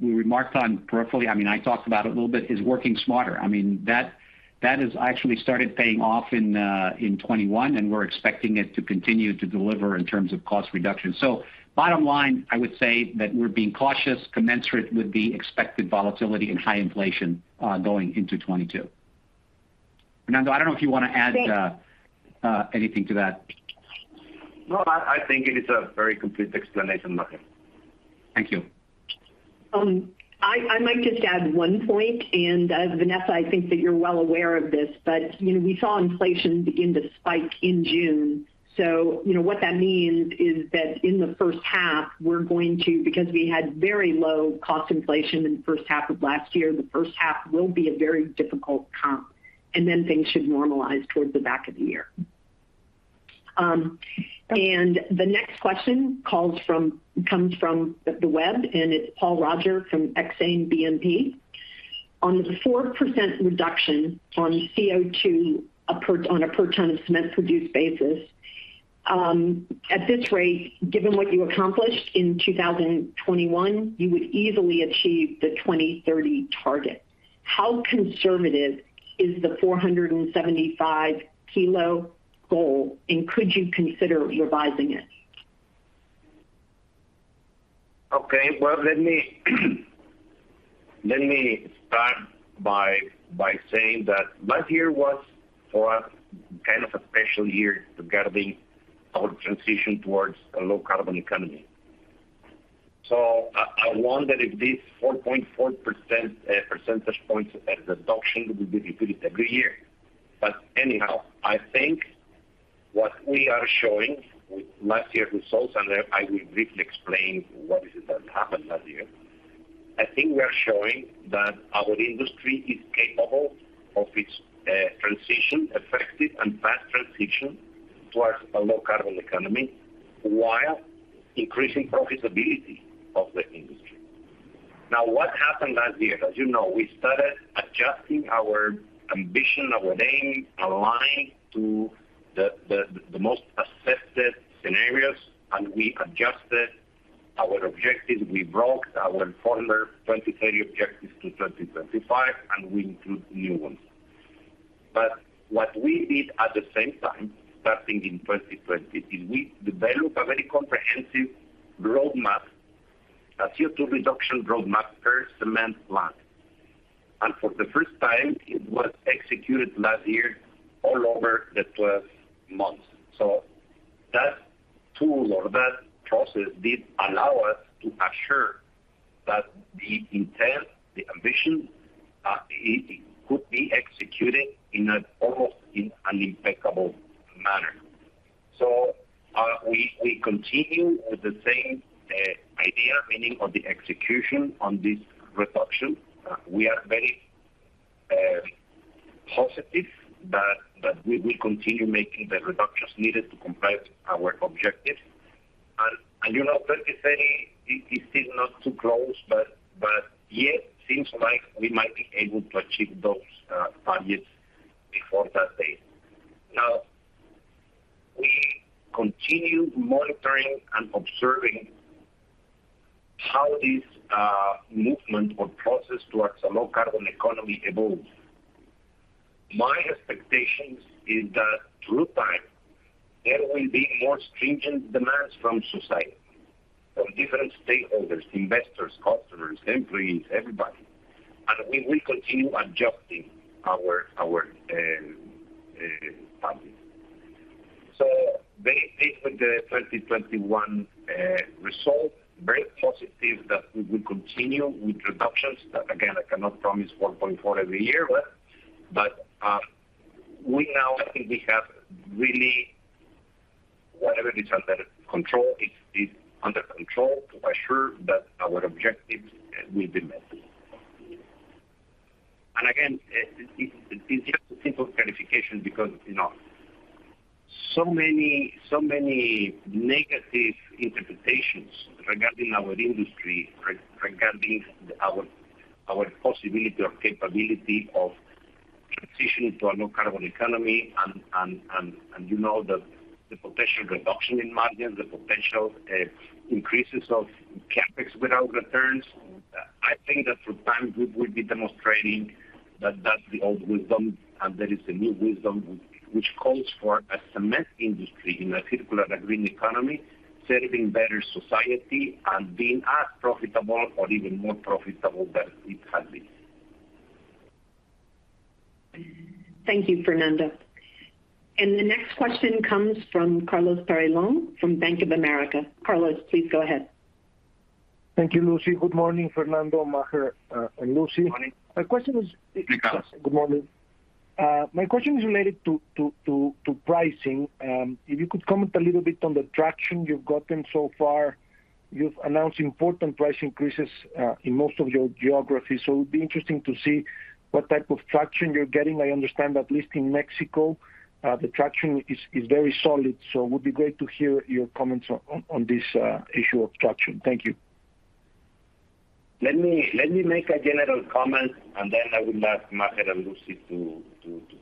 remarked on peripherally, I mean, I talked about it a little bit, is Working Smarter. I mean, that has actually started paying off in 2021, and we're expecting it to continue to deliver in terms of cost reduction. Bottom line, I would say that we're being cautious, commensurate with the expected volatility and high inflation going into 2022. Fernando, I don't know if you wanna add anything to that. No, I think it is a very complete explanation, Maher. Thank you. I might just add one point, Vanessa, I think that you're well aware of this, but you know, we saw inflation begin to spike in June. You know, what that means is that in the first half, because we had very low cost inflation in the first half of last year, the first half will be a very difficult comp, and then things should normalize towards the back of the year. The next question comes from the web, and it's Paul Roger from Exane BNP. On the 4% reduction on CO2 on a per ton of cement produced basis, at this rate, given what you accomplished in 2021, you would easily achieve the 2030 target. How conservative is the 475 kilo goal, and could you consider revising it? Okay. Well, let me start by saying that last year was, for us, kind of a special year regarding our transition towards a low carbon economy. I wonder if this 4.4% percentage points of adoption will be repeated every year. Anyhow, I think what we are showing with last year results, and I will briefly explain what is it that happened last year. I think we are showing that our industry is capable of its effective and fast transition towards a low carbon economy while increasing profitability of the industry. Now, what happened last year? As you know, we started adjusting our ambition, our aim, aligned to the most aggressive scenarios, and we adjusted our objective. We brought our former 2030 objectives to 2025, and we include new ones. What we did at the same time, starting in 2020, is we developed a very comprehensive roadmap, a CO2 reduction roadmap per cement plant. For the first time, it was executed last year all over the 12 months. That tool or that process did allow us to assure that the intent, the ambition, it could be executed in almost in an impeccable manner. We continue with the same idea, meaning on the execution on this reduction. We are very positive that we will continue making the reductions needed to complete our objective. You know, 2030 it is still not too close, but yes, seems like we might be able to achieve those targets before that date. Now, we continue monitoring and observing how this movement or process towards a low carbon economy evolves. My expectations is that through time, there will be more stringent demands from society, from different stakeholders, investors, customers, employees, everybody. We will continue adjusting our targets. Based on the 2021 result, very positive that we will continue with reductions. That again, I cannot promise 1.4% every year, but we now I think we have really whatever is under control, it's under control to assure that our objectives will be met. It's just a simple clarification because, you know, so many negative interpretations regarding our industry, regarding our possibility or capability of transitioning to a low carbon economy and you know, the potential reduction in margin, the potential increases of CapEx without returns. I think that through time, we will be demonstrating that that's the old wisdom, and there is a new wisdom which calls for a cement industry in a circular green economy, serving better society and being as profitable or even more profitable than it has been. Thank you, Fernando. The next question comes from Carlos Peyrelongue from Bank of America. Carlos, please go ahead. Thank you, Lucy. Good morning, Fernando, Maher, and Lucy. Morning. My question is. Carlos. Good morning. My question is related to pricing. If you could comment a little bit on the traction you've gotten so far. You've announced important price increases in most of your geographies. It would be interesting to see what type of traction you're getting. I understand at least in Mexico the traction is very solid. It would be great to hear your comments on this issue of traction. Thank you. Let me make a general comment, and then I will ask Maher and Lucy to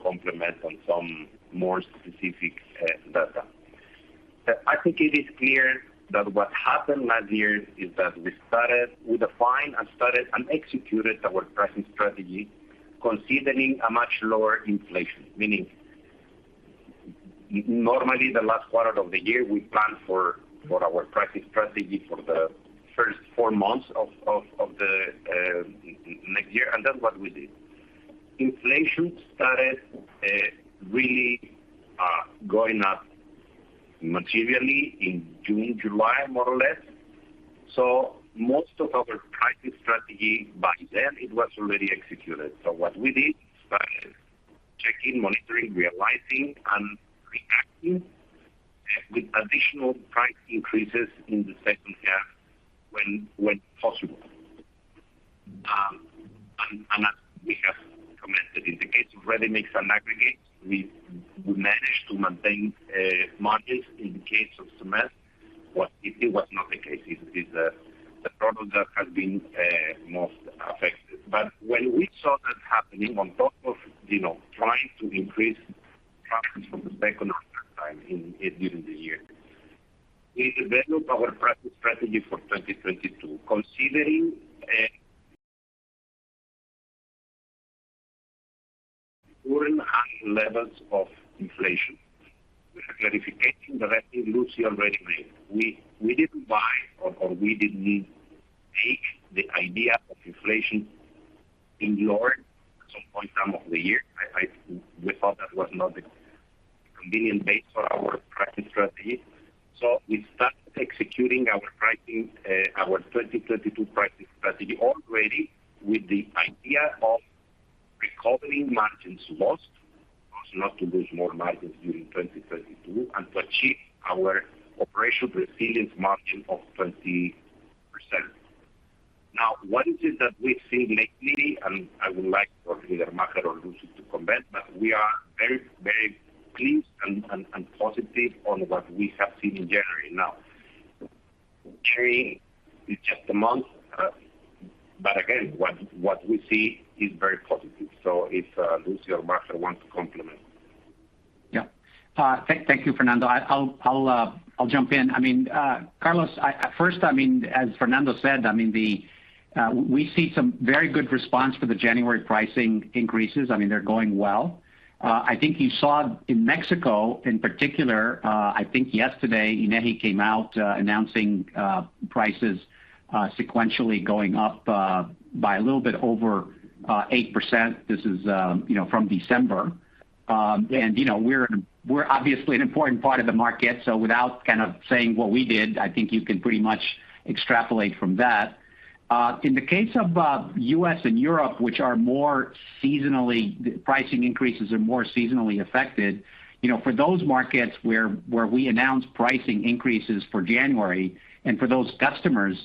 complement on some more specific data. I think it is clear that what happened last year is that we defined and started and executed our pricing strategy considering a much lower inflation. Meaning, normally the last quarter of the year, we plan for our pricing strategy for the first four months of the next year, and that's what we did. Inflation started really going up materially in June, July, more or less. Most of our pricing strategy by then, it was already executed. What we did is started checking, monitoring, realizing, and reacting with additional price increases in the second half when possible. As we have commented in the case of ready-mix and aggregates, we managed to maintain margins. In the case of cement, it was not the case. It's the product that has been most affected. When we saw that happening on top of you know trying to increase traffic from the second half during the year, we developed our pricing strategy for 2022, considering current high levels of inflation. With a clarification that Lucy already made. We didn't buy or we didn't take the idea of inflation being lower at some point in time of the year. We thought that was not a convenient base for our pricing strategy. We started executing our pricing, our 2022 pricing strategy already with the idea of recovering margins lost, so not to lose more margins during 2022, and to achieve our Operation Resilience margin of 20%. Now, what is it that we've seen lately, and I would like for either Maher or Lucy to comment, but we are very pleased and positive on what we have seen in January. January is just a month, but again, what we see is very positive. If Lucy or Maher want to comment. Yeah. Thank you, Fernando. I'll jump in. I mean, Carlos, at first, I mean, as Fernando said, I mean, we see some very good response for the January pricing increases. I mean, they're going well. I think you saw in Mexico, in particular, I think yesterday, INEGI came out announcing prices sequentially going up by a little bit over 8%. This is, you know, from December. You know, we're obviously an important part of the market, so without kind of saying what we did, I think you can pretty much extrapolate from that. In the case of U.S. and Europe, the pricing increases are more seasonally affected, you know, for those markets where we announced pricing increases for January and for those customers,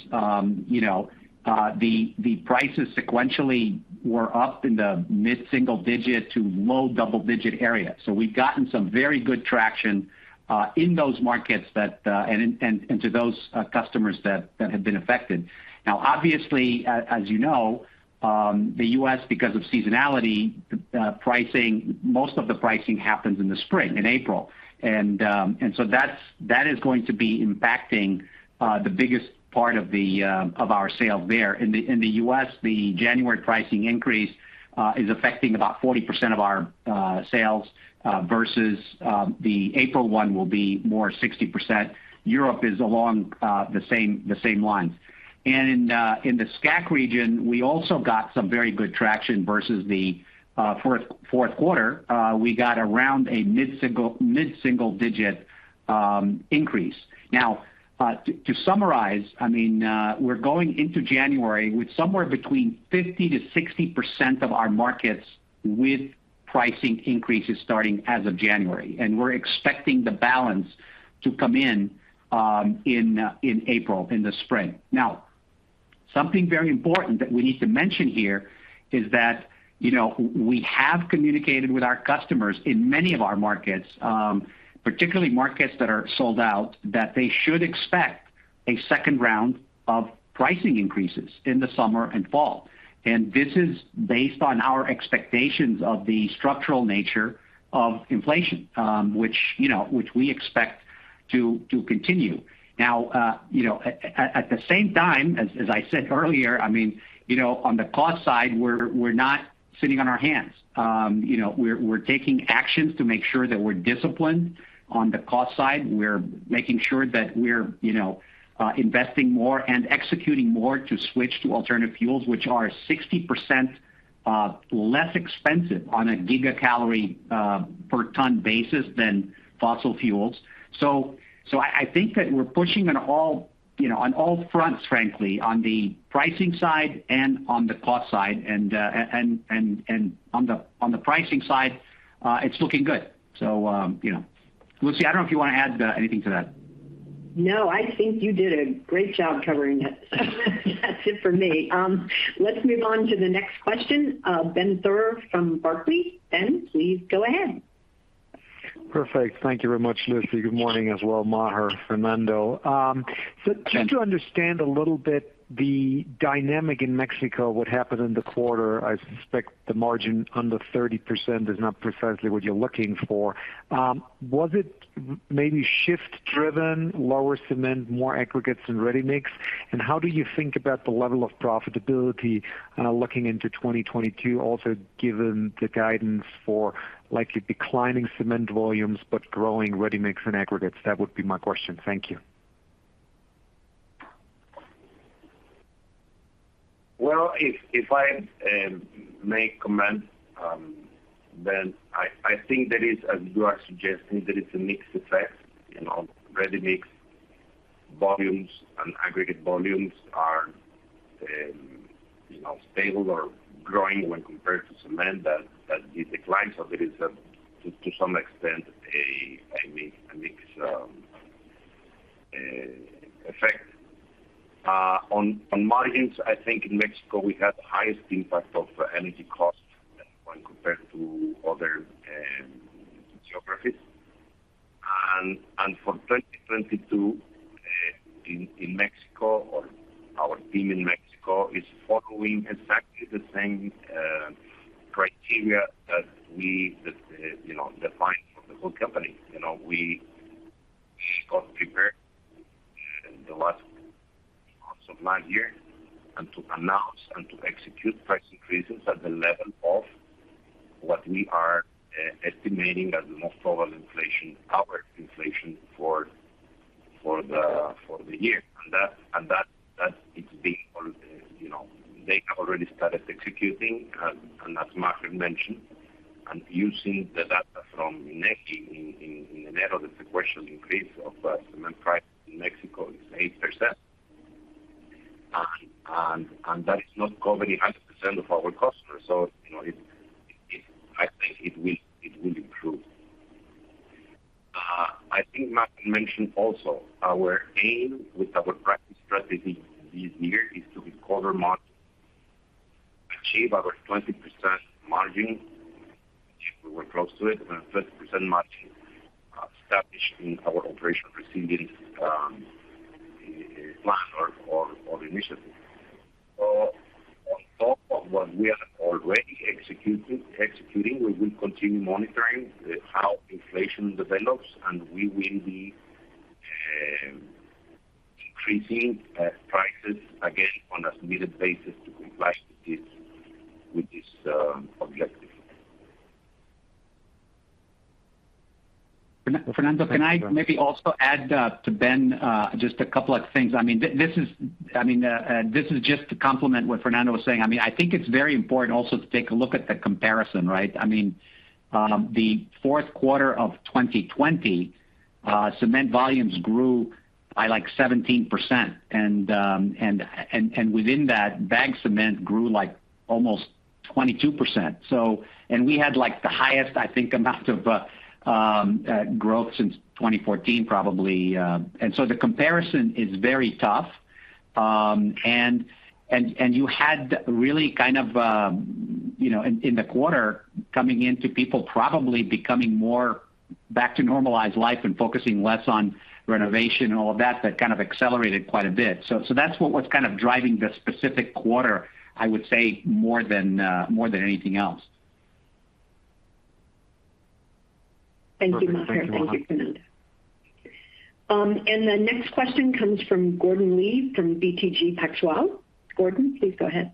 you know, the prices sequentially were up in the mid-single digit to low double-digit area. So we've gotten some very good traction in those markets and to those customers that have been affected. Now, obviously, as you know, the U.S., because of seasonality, most of the pricing happens in the spring, in April. That is going to be impacting the biggest part of our sales there. In the U.S., the January pricing increase is affecting about 40% of our sales versus the April one will be more 60%. Europe is along the same lines. In the SCAC region, we also got some very good traction versus the fourth quarter. We got around a mid-single digit increase. Now, to summarize, I mean, we're going into January with somewhere between 50%-60% of our markets with pricing increases starting as of January, and we're expecting the balance to come in in April, in the spring. Now, something very important that we need to mention here is that, you know, we have communicated with our customers in many of our markets, particularly markets that are sold out, that they should expect a second round of pricing increases in the summer and fall. This is based on our expectations of the structural nature of inflation, which, you know, we expect to continue. Now, you know, at the same time, as I said earlier, I mean, you know, on the cost side, we're not sitting on our hands. You know, we're taking actions to make sure that we're disciplined on the cost side. We're making sure that we're, you know, investing more and executing more to switch to alternative fuels, which are 60% less expensive on a gigacalories per ton basis than fossil fuels. I think that we're pushing on all, you know, on all fronts, frankly, on the pricing side and on the cost side. On the pricing side, it's looking good. You know. Lucy, I don't know if you wanna add anything to that. No, I think you did a great job covering it. That's it for me. Let's move on to the next question. Benjamin Theurer from Barclays. Ben, please go ahead. Perfect. Thank you very much, Lucy. Good morning as well, Maher, Fernando. Just to understand a little bit the dynamic in Mexico, what happened in the quarter, I suspect the margin under 30% is not precisely what you're looking for. Was it maybe shift driven, lower cement, more aggregates and ready-mix? How do you think about the level of profitability, looking into 2022, also given the guidance for likely declining cement volumes but growing ready-mix and aggregates? That would be my question. Thank you. Well, if I make comments, then I think there is, as you are suggesting, a mixed effect. You know, ready-mix volumes and aggregate volumes are, you know, stable or growing when compared to cement that declines. So there is, to some extent, a mix effect. On margins, I think in Mexico, we had the highest impact of energy costs when compared to other geographies. For 2022, in Mexico our team in Mexico is following exactly the same criteria that we define for the whole company. You know, we got prepared in the last months of last year to announce and to execute price increases at the level of what we are estimating as the most probable inflation, outward inflation for the year. You know, they have already started executing. As Maher mentioned and using the data from INEGI, the sequential increase of cement price in Mexico is 8%. That is not covering 100% of our costs. You know, I think it will improve. I think Maher mentioned also our aim with our pricing strategy this year is to recover margin, achieve our 20% margin, which we were close to it, and a 30% margin, established in our Operation Resilience, our plan or initiative. What we are already executing, we will continue monitoring how inflation develops, and we will be increasing prices again on an as-needed basis to comply with this objective. Fernando, can I maybe also add to Ben just a couple of things? I mean, this is just to complement what Fernando was saying. I mean, I think it's very important also to take a look at the comparison, right? I mean, the fourth quarter of 2020, cement volumes grew by like 17%. Within that, bag cement grew like almost 22%. We had like the highest, I think, amount of growth since 2014, probably. The comparison is very tough. You had really kind of, you know, in the quarter coming into people probably becoming more back to normalized life and focusing less on renovation and all of that kind of accelerated quite a bit. That's what was kind of driving the specific quarter, I would say, more than anything else. Thank you, Maher. Thank you, Fernando. The next question comes from Gordon Lee from BTG Pactual. Gordon, please go ahead.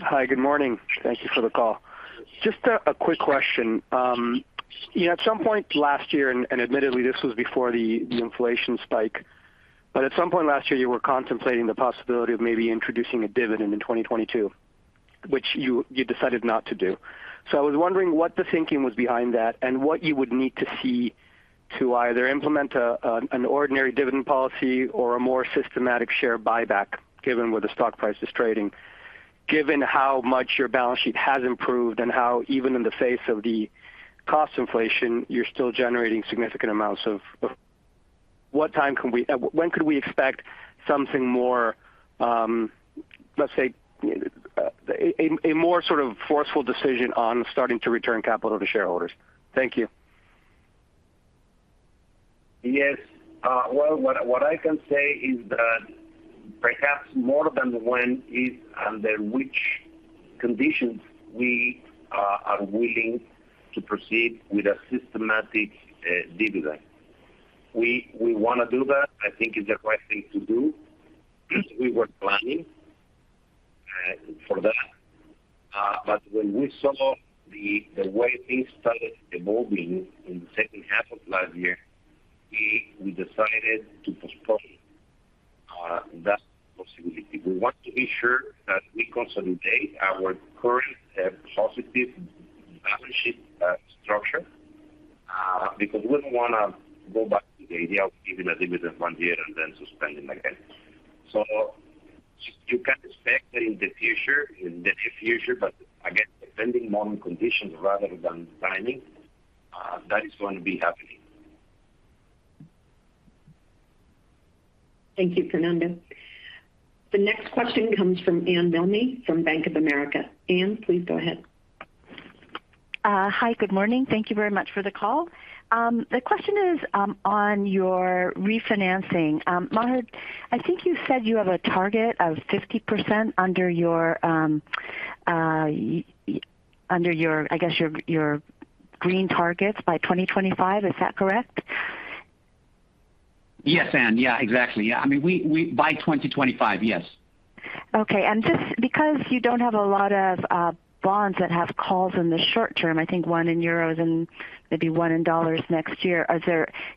Hi, good morning. Thank you for the call. Just a quick question. You know, at some point last year, and admittedly this was before the inflation spike, but at some point last year, you were contemplating the possibility of maybe introducing a dividend in 2022, which you decided not to do. I was wondering what the thinking was behind that and what you would need to see to either implement an ordinary dividend policy or a more systematic share buyback, given where the stock price is trading. Given how much your balance sheet has improved and how, even in the face of the cost inflation, you're still generating significant amounts. When could we expect something more, let's say, a more sort of forceful decision on starting to return capital to shareholders? Thank you. Yes. Well, what I can say is that perhaps more than when is under which conditions we are willing to proceed with a systematic dividend. We wanna do that. I think it's the right thing to do. We were planning for that. When we saw the way things started evolving in the second half of last year, we decided to postpone that possibility. We want to be sure that we consolidate our current positive balance sheet structure because we wouldn't wanna go back to the idea of giving a dividend one year and then suspending again. You can expect that in the future, in the near future, but again, depending on conditions rather than timing, that is going to be happening. Thank you, Fernando. The next question comes from Anne Milne from Bank of America. Anne, please go ahead. Hi, good morning. Thank you very much for the call. The question is on your refinancing. Maher, I think you said you have a target of 50% under your, I guess, your green targets by 2025. Is that correct? Yes, Anne. Yeah, exactly. Yeah. I mean, by 2025, yes. Okay. Just because you don't have a lot of bonds that have calls in the short term, I think one in euros and maybe one in dollars next year,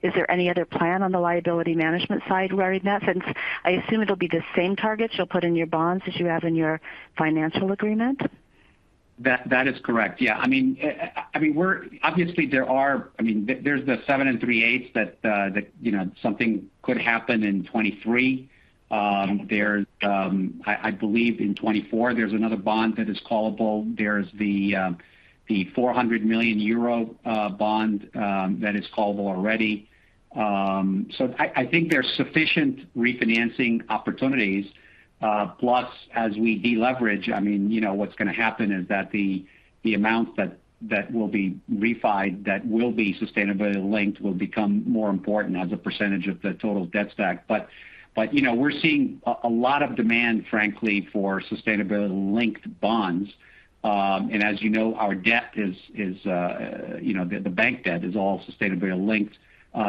is there any other plan on the liability management side re that? Since I assume it'll be the same targets you'll put in your bonds as you have in your financial agreement. That is correct. Yeah. I mean, we're obviously there are. I mean, there is the seven and three-eighths that you know, something could happen in 2023. I believe in 2024, there is another bond that is callable. There is the EUR 400 million bond that is callable already. So I think there are sufficient refinancing opportunities. Plus as we deleverage, I mean, you know, what's gonna happen is that the amounts that will be refinanced that will be sustainability-linked will become more important as a percentage of the total debt stack. But you know, we're seeing a lot of demand, frankly, for sustainability-linked bonds. As you know, our debt is, you know, the bank debt is all sustainability-linked,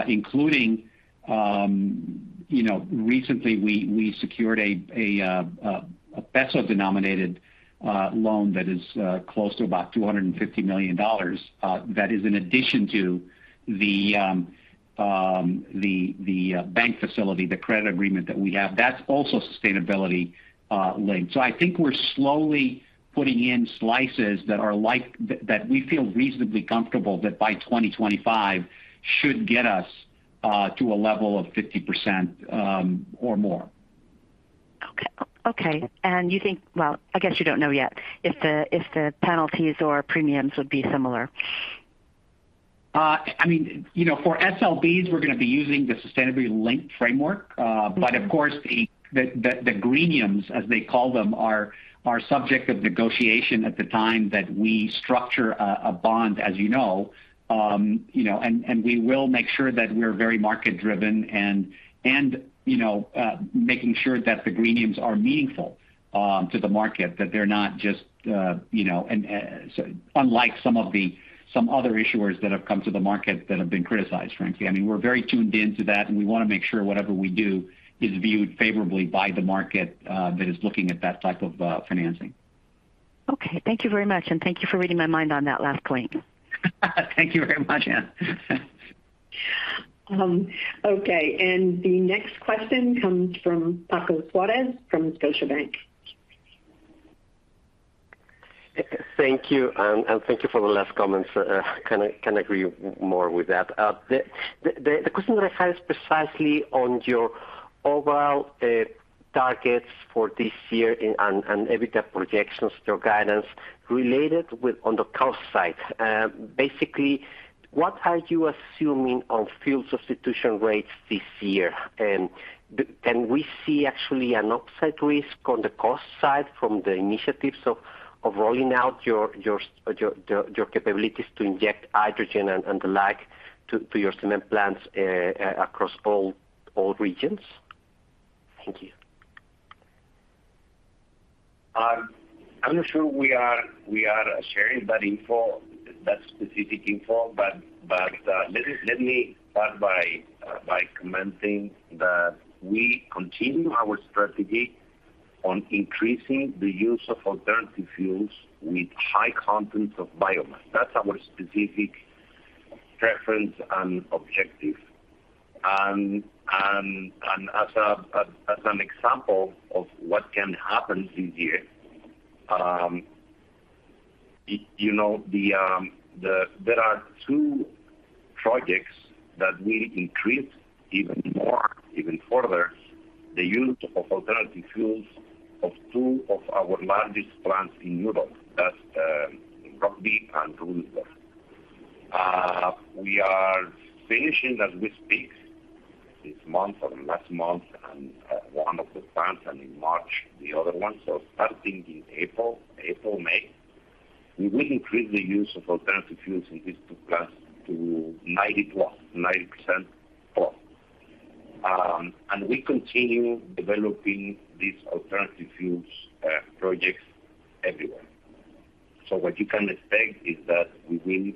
including, you know, recently we secured a peso-denominated loan that is close to about $250 million, that is in addition to the bank facility, the credit agreement that we have. That's also sustainability linked. I think we're slowly putting in slices that we feel reasonably comfortable that by 2025 should get us to a level of 50% or more. Okay. You think. Well, I guess you don't know yet if the penalties or premiums would be similar. I mean, you know, for SLBs, we're gonna be using the Sustainability-Linked Framework. Of course, the greeniums, as they call them, are subject of negotiation at the time that we structure a bond, as you know. You know, we will make sure that we're very market-driven and, you know, making sure that the greeniums are meaningful to the market, that they're not just, you know, unlike some of the other issuers that have come to the market that have been criticized, frankly. I mean, we're very tuned in to that, and we wanna make sure whatever we do is viewed favorably by the market that is looking at that type of financing. Okay, thank you very much, and thank you for reading my mind on that last point. Thank you very much. Yeah. Okay. The next question comes from Paco Suarez from Scotiabank. Thank you. Thank you for the last comments. I can agree more with that. The question that I have is precisely on your overall targets for this year and EBITDA projections, your guidance related to on the cost side. Basically, what are you assuming on fuel substitution rates this year? Can we see actually an upside risk on the cost side from the initiatives of rolling out your capabilities to inject hydrogen and the like to your cement plants across all regions? Thank you. I'm not sure we are sharing that info, that specific info, but let me start by commenting that we continue our strategy on increasing the use of alternative fuels with high content of biomass. That's our specific preference and objective. As an example of what can happen this year, you know, there are two projects that will increase even more, even further, the use of alternative fuels of two of our largest plants in Europe. That's Rugby and Rüdersdorf. We are finishing as we speak this month or last month and one of the plants and in March, the other one. Starting in April/May, we will increase the use of alternative fuels in these two plants to 90% plus. We continue developing these alternative fuels projects everywhere. What you can expect is that we will,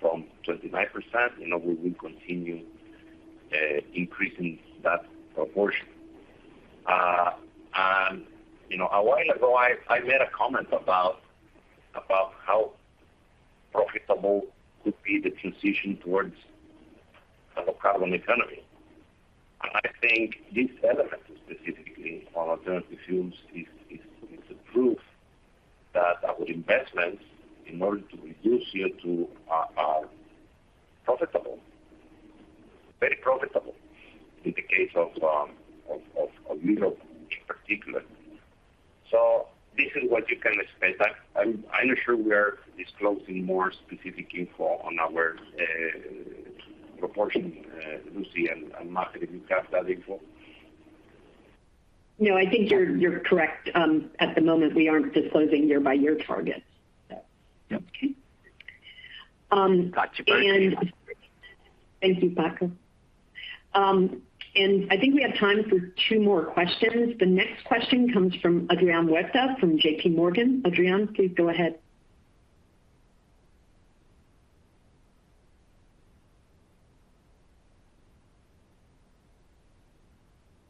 from 29%, you know, we will continue increasing that proportion. You know, a while ago, I made a comment about how profitable could be the transition towards a low carbon economy. I think this element specifically on alternative fuels is a proof that our investments in order to reduce CO2 are profitable. Very profitable in the case of Europe in particular. This is what you can expect. I'm not sure we are disclosing more specific info on our proportion. Lucy and Maher, do you have that info? No, I think you're correct. At the moment, we aren't disclosing year by year targets. Yeah. Okay. Got you. Thank you, Paco. I think we have time for two more questions. The next question comes from Adrián Huerta from JPMorgan. Adrián, please go ahead.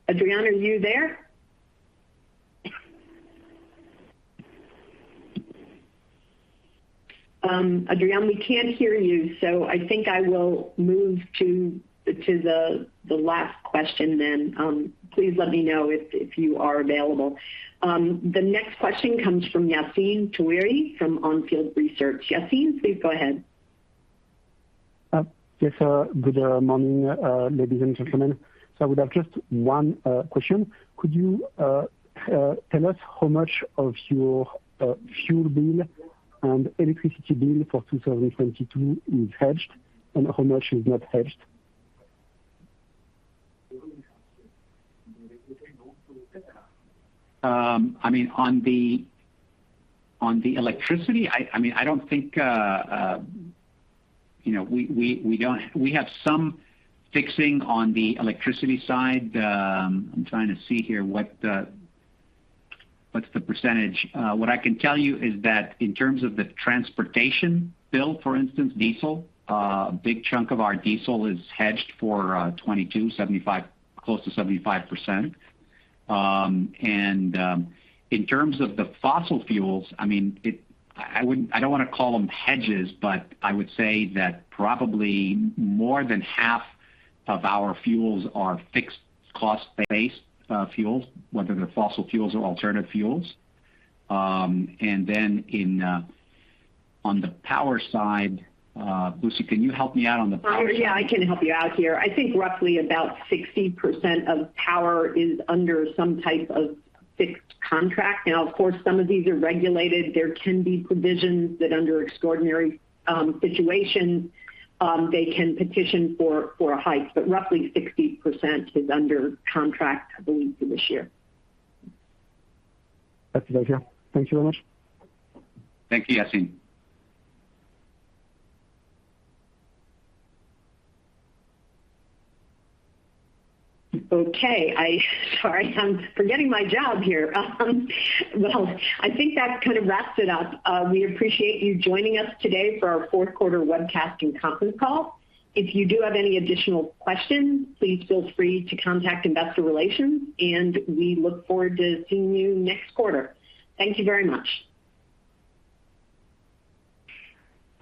Adrián, are you there? Adrián, we can't hear you, so I think I will move to the last question then. Please let me know if you are available. The next question comes from Yassine Touahri from On Field Investment Research. Yassine, please go ahead. Yes. Good morning, ladies and gentlemen. I would have just one question. Could you tell us how much of your fuel bill and electricity bill for 2022 is hedged and how much is not hedged? I mean, on the electricity, I don't think you know, we have some fixing on the electricity side. I'm trying to see here what's the percentage. What I can tell you is that in terms of the transportation bill, for instance, diesel, a big chunk of our diesel is hedged for 2022, 75%, close to 75%. In terms of the fossil fuels, I mean, I don't want to call them hedges, but I would say that probably more than half of our fuels are fixed cost-based fuels, whether they're fossil fuels or alternative fuels. On the power side, Lucy, can you help me out on the power side? Yeah, I can help you out here. I think roughly about 60% of power is under some type of fixed contract. Now, of course, some of these are regulated. There can be provisions that under extraordinary situation they can petition for a hike. But roughly 60% is under contract, I believe, for this year. That's what I hear. Thank you very much. Thank you, Yassine. Okay. I'm forgetting my job here. Well, I think that kind of wraps it up. We appreciate you joining us today for our fourth quarter webcast and conference call. If you do have any additional questions, please feel free to contact investor relations, and we look forward to seeing you next quarter. Thank you very much.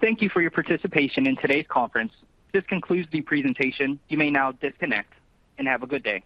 Thank you for your participation in today's conference. This concludes the presentation. You may now disconnect and have a good day.